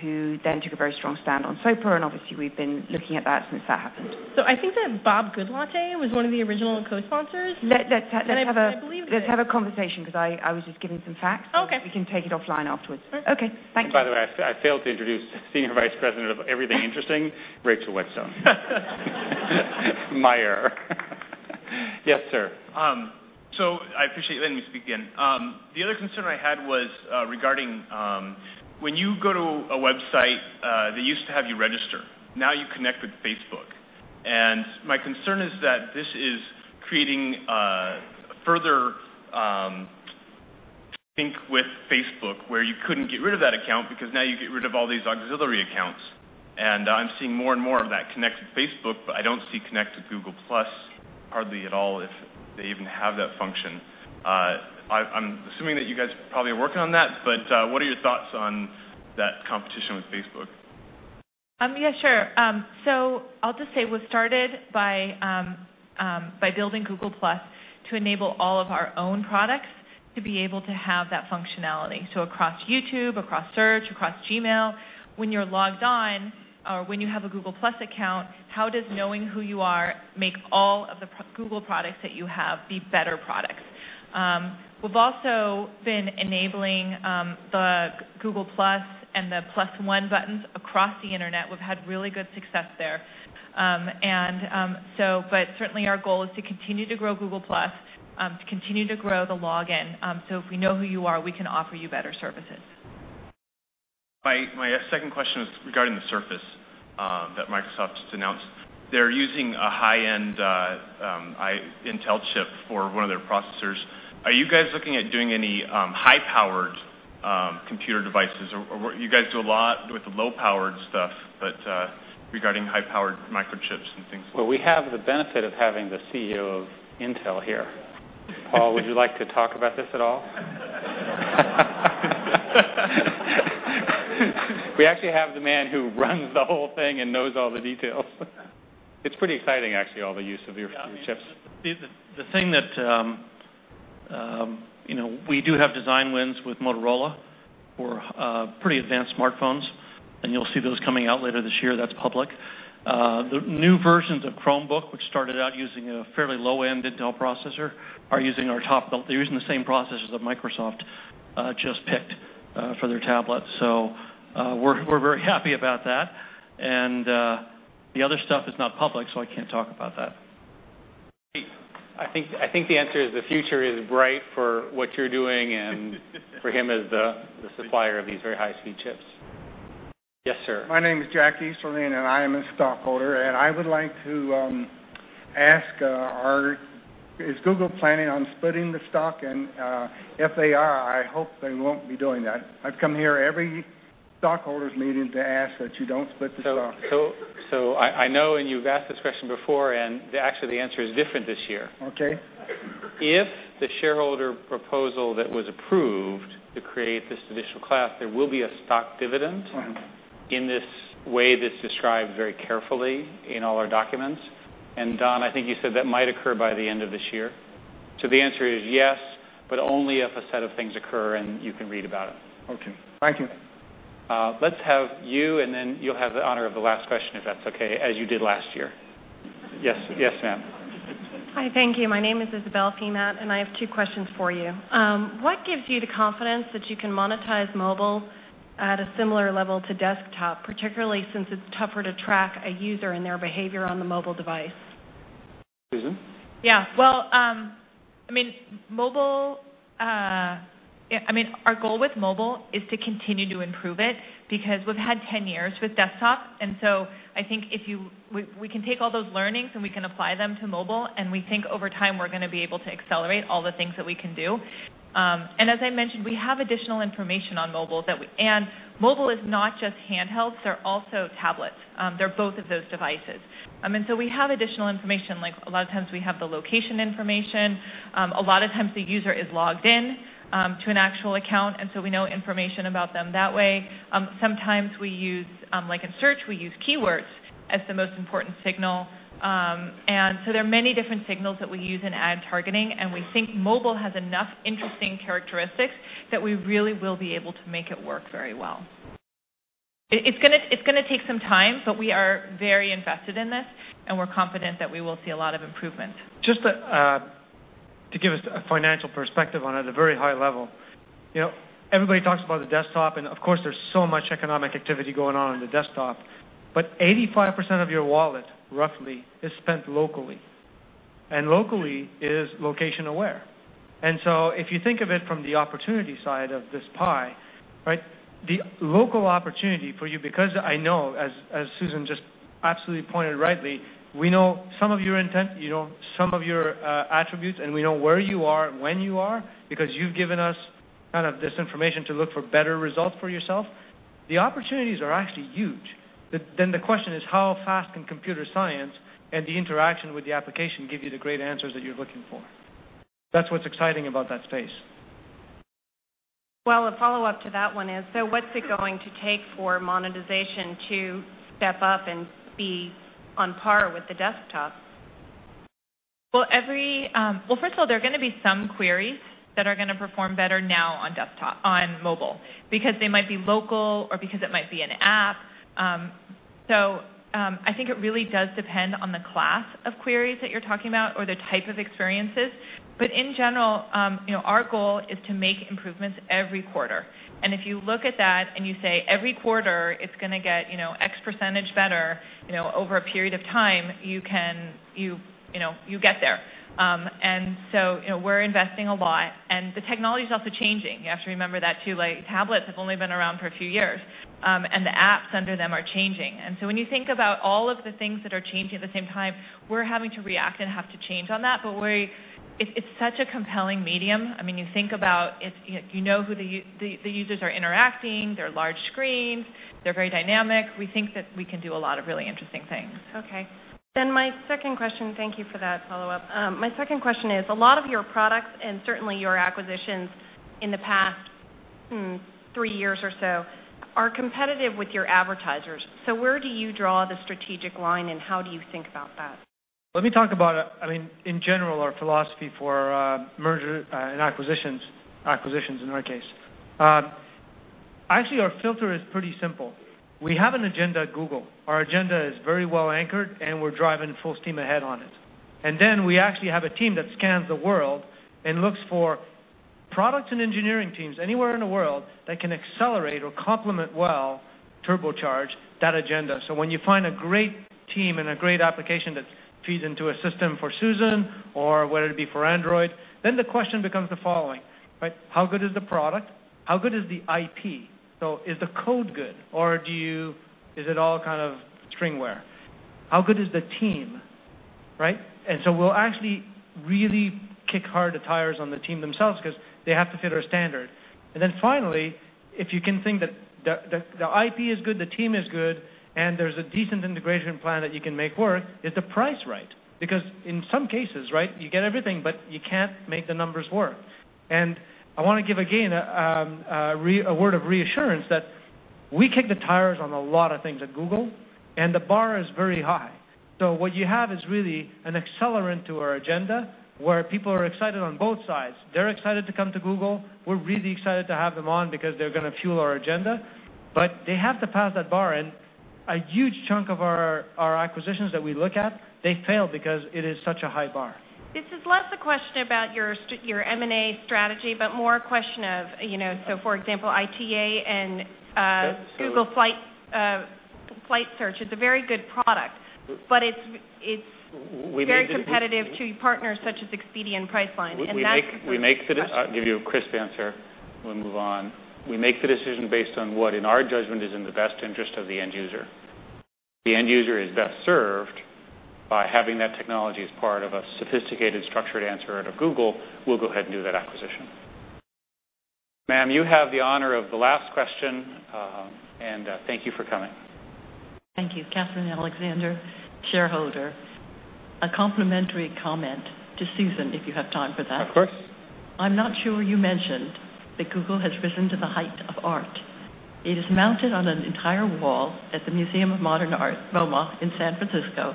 who then took a very strong stand on SOPA. Obviously, we've been looking at that since that happened, So I think that Bob Goodlatte was one of the original co-sponsors. Let's have a conversation because I was just giving some facts. We can take it offline afterwards. Okay. Thanks. By the way, I failed to introduce Senior Vice President of Everything Interesting, Rachel Whetstone. Mayer. Yes, sir. So I appreciate you letting me speak again. The other concern I had was regarding when you go to a website, they used to have you register. Now you connect with Facebook. And my concern is that this is creating further sync with Facebook where you couldn't get rid of that account because now you get rid of all these auxiliary accounts. And I'm seeing more and more of that connect with Facebook, but I don't see connect with Google+ hardly at all if they even have that function. I'm assuming that you guys probably are working on that, but what are your thoughts on that competition with Facebook? Yeah, sure. So I'll just say we started by building Google+ to enable all of our own products to be able to have that functionality. So across YouTube, across search, across Gmail, when you're logged on or when you have a Google+ account, how does knowing who you are make all of the Google products that you have be better products? We've also been enabling the Google+ and the Plus One buttons across the internet. We've had really good success there. But certainly, our goal is to continue to grow Google+, to continue to grow the login. So if we know who you are, we can offer you better services. My second question was regarding the Surface that Microsoft just announced. They're using a high-end Intel chip for one of their processors. Are you guys looking at doing any high-powered computer devices? You guys do a lot with the low-powered stuff, but regarding high-powered microchips and things? We have the benefit of having the CEO of Intel here. Paul, would you like to talk about this at all? We actually have the man who runs the whole thing and knows all the details. It's pretty exciting, actually, all the use of your chips. The thing that we do have design wins with Motorola for pretty advanced smartphones. You'll see those coming out later this year. That's public. The new versions of Chromebook, which started out using a fairly low-end Intel processor, are using our top. They're using the same processors that Microsoft just picked for their tablet. We're very happy about that. The other stuff is not public, so I can't talk about that. I think the answer is the future is bright for what you're doing and for him as the supplier of these very high-speed chips. Yes, sir. My name is Jackie Solean, and I am a stockholder. I would like to ask, is Google planning on splitting the stock? If they are, I hope they won't be doing that. I've come here every stockholders' meeting to ask that you don't split the stock. So I know, and you've asked this question before, and actually, the answer is different this year. If the shareholder proposal that was approved to create this additional class, there will be a stock dividend in this way that's described very carefully in all our documents. And Don, I think you said that might occur by the end of this year. So the answer is yes, but only if a set of things occur and you can read about it. Okay. Thank you. Let's have you, and then you'll have the honor of the last question if that's okay, as you did last year. Yes, ma'am. Hi, thank you. My name is Isabelle Fumat, and I have two questions for you. What gives you the confidence that you can monetize mobile at a similar level to desktop, particularly since it's tougher to track a user and their behavior on the mobile device? Susan? Yeah. Well, I mean, our goal with mobile is to continue to improve it because we've had 10 years with desktop. And so I think we can take all those learnings, and we can apply them to mobile. And we think over time, we're going to be able to accelerate all the things that we can do. And as I mentioned, we have additional information on mobile. And mobile is not just handhelds. They're also tablets. They're both of those devices. And so we have additional information. A lot of times, we have the location information. A lot of times, the user is logged in to an actual account. And so we know information about them that way. Sometimes we use, like in search, we use keywords as the most important signal. And so there are many different signals that we use in ad targeting. And we think mobile has enough interesting characteristics that we really will be able to make it work very well. It's going to take some time, but we are very invested in this, and we're confident that we will see a lot of improvement. Just to give us a financial perspective on it at a very high level, everybody talks about the desktop, and of course, there's so much economic activity going on on the desktop, but 85% of your wallet, roughly, is spent locally, and locally is location-aware, and so if you think of it from the opportunity side of this pie, the local opportunity for you, because I know, as Susan just absolutely pointed rightly, we know some of your intent, some of your attributes, and we know where you are and when you are because you've given us kind of this information to look for better results for yourself. The opportunities are actually huge, then the question is, how fast can computer science and the interaction with the application give you the great answers that you're looking for? That's what's exciting about that space. A follow-up to that one is, so what's it going to take for monetization to step up and be on par with the desktop? Well, first of all, there are going to be some queries that are going to perform better now on mobile because they might be local or because it might be an app. So I think it really does depend on the class of queries that you're talking about or the type of experiences. But in general, our goal is to make improvements every quarter. And if you look at that and you say, "Every quarter, it's going to get X% better over a period of time," you get there. And so we're investing a lot. And the technology is also changing. You have to remember that too. Tablets have only been around for a few years, and the apps under them are changing. And so when you think about all of the things that are changing at the same time, we're having to react and have to change on that. But it's such a compelling medium. I mean, you think about it, you know who the users are interacting. They're large screens. They're very dynamic. We think that we can do a lot of really interesting things. Okay. Then my second question, thank you for that follow-up. My second question is, a lot of your products and certainly your acquisitions in the past three years or so are competitive with your advertisers. So where do you draw the strategic line and how do you think about that? Let me talk about, I mean, in general, our philosophy for mergers and acquisitions in our case. Actually, our filter is pretty simple. We have an agenda at Google. Our agenda is very well anchored, and we're driving full steam ahead on it, and then we actually have a team that scans the world and looks for products and engineering teams anywhere in the world that can accelerate or complement well, turbocharge that agenda, so when you find a great team and a great application that feeds into a system for Susan or whether it be for Android, then the question becomes the following: how good is the product? How good is the IP? So is the code good, or is it all kind of stringware? How good is the team? And so we'll actually really kick hard the tires on the team themselves because they have to fit our standard. And then finally, if you can think that the IP is good, the team is good, and there's a decent integration plan that you can make work, is the price right? Because in some cases, you get everything, but you can't make the numbers work. And I want to give, again, a word of reassurance that we kick the tires on a lot of things at Google, and the bar is very high. So what you have is really an accelerant to our agenda where people are excited on both sides. They're excited to come to Google. We're really excited to have them on because they're going to fuel our agenda. But they have to pass that bar. A huge chunk of our acquisitions that we look at, they fail because it is such a high bar. This is less a question about your M&A strategy, but more a question of, so for example, ITA and Google Flight Search is a very good product, but it's very competitive to partners such as Expedia and Priceline. And that's. I'll give you a crisp answer when we move on. We make the decision based on what, in our judgment, is in the best interest of the end user. The end user is best served by having that technology as part of a sophisticated, structured answer out of Google. We'll go ahead and do that acquisition. Ma'am, you have the honor of the last question, and thank you for coming. Thank you. Kathryn Alexander, shareholder, a complimentary comment to Susan, if you have time for that. Of course. I'm not sure you mentioned that Google has risen to the height of art. It is mounted on an entire wall at the Museum of Modern Art, MoMA, in San Francisco,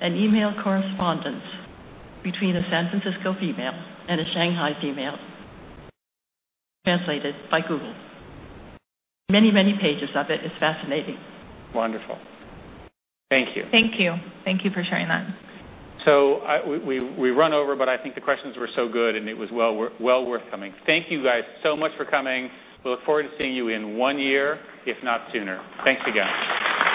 an email correspondence between a San Francisco female and a Shanghai female translated by Google. Many, many pages of it. It's fascinating. Wonderful. Thank you. Thank you. Thank you for sharing that. So we run over, but I think the questions were so good, and it was well worth coming. Thank you guys so much for coming. We look forward to seeing you in one year, if not sooner. Thanks again.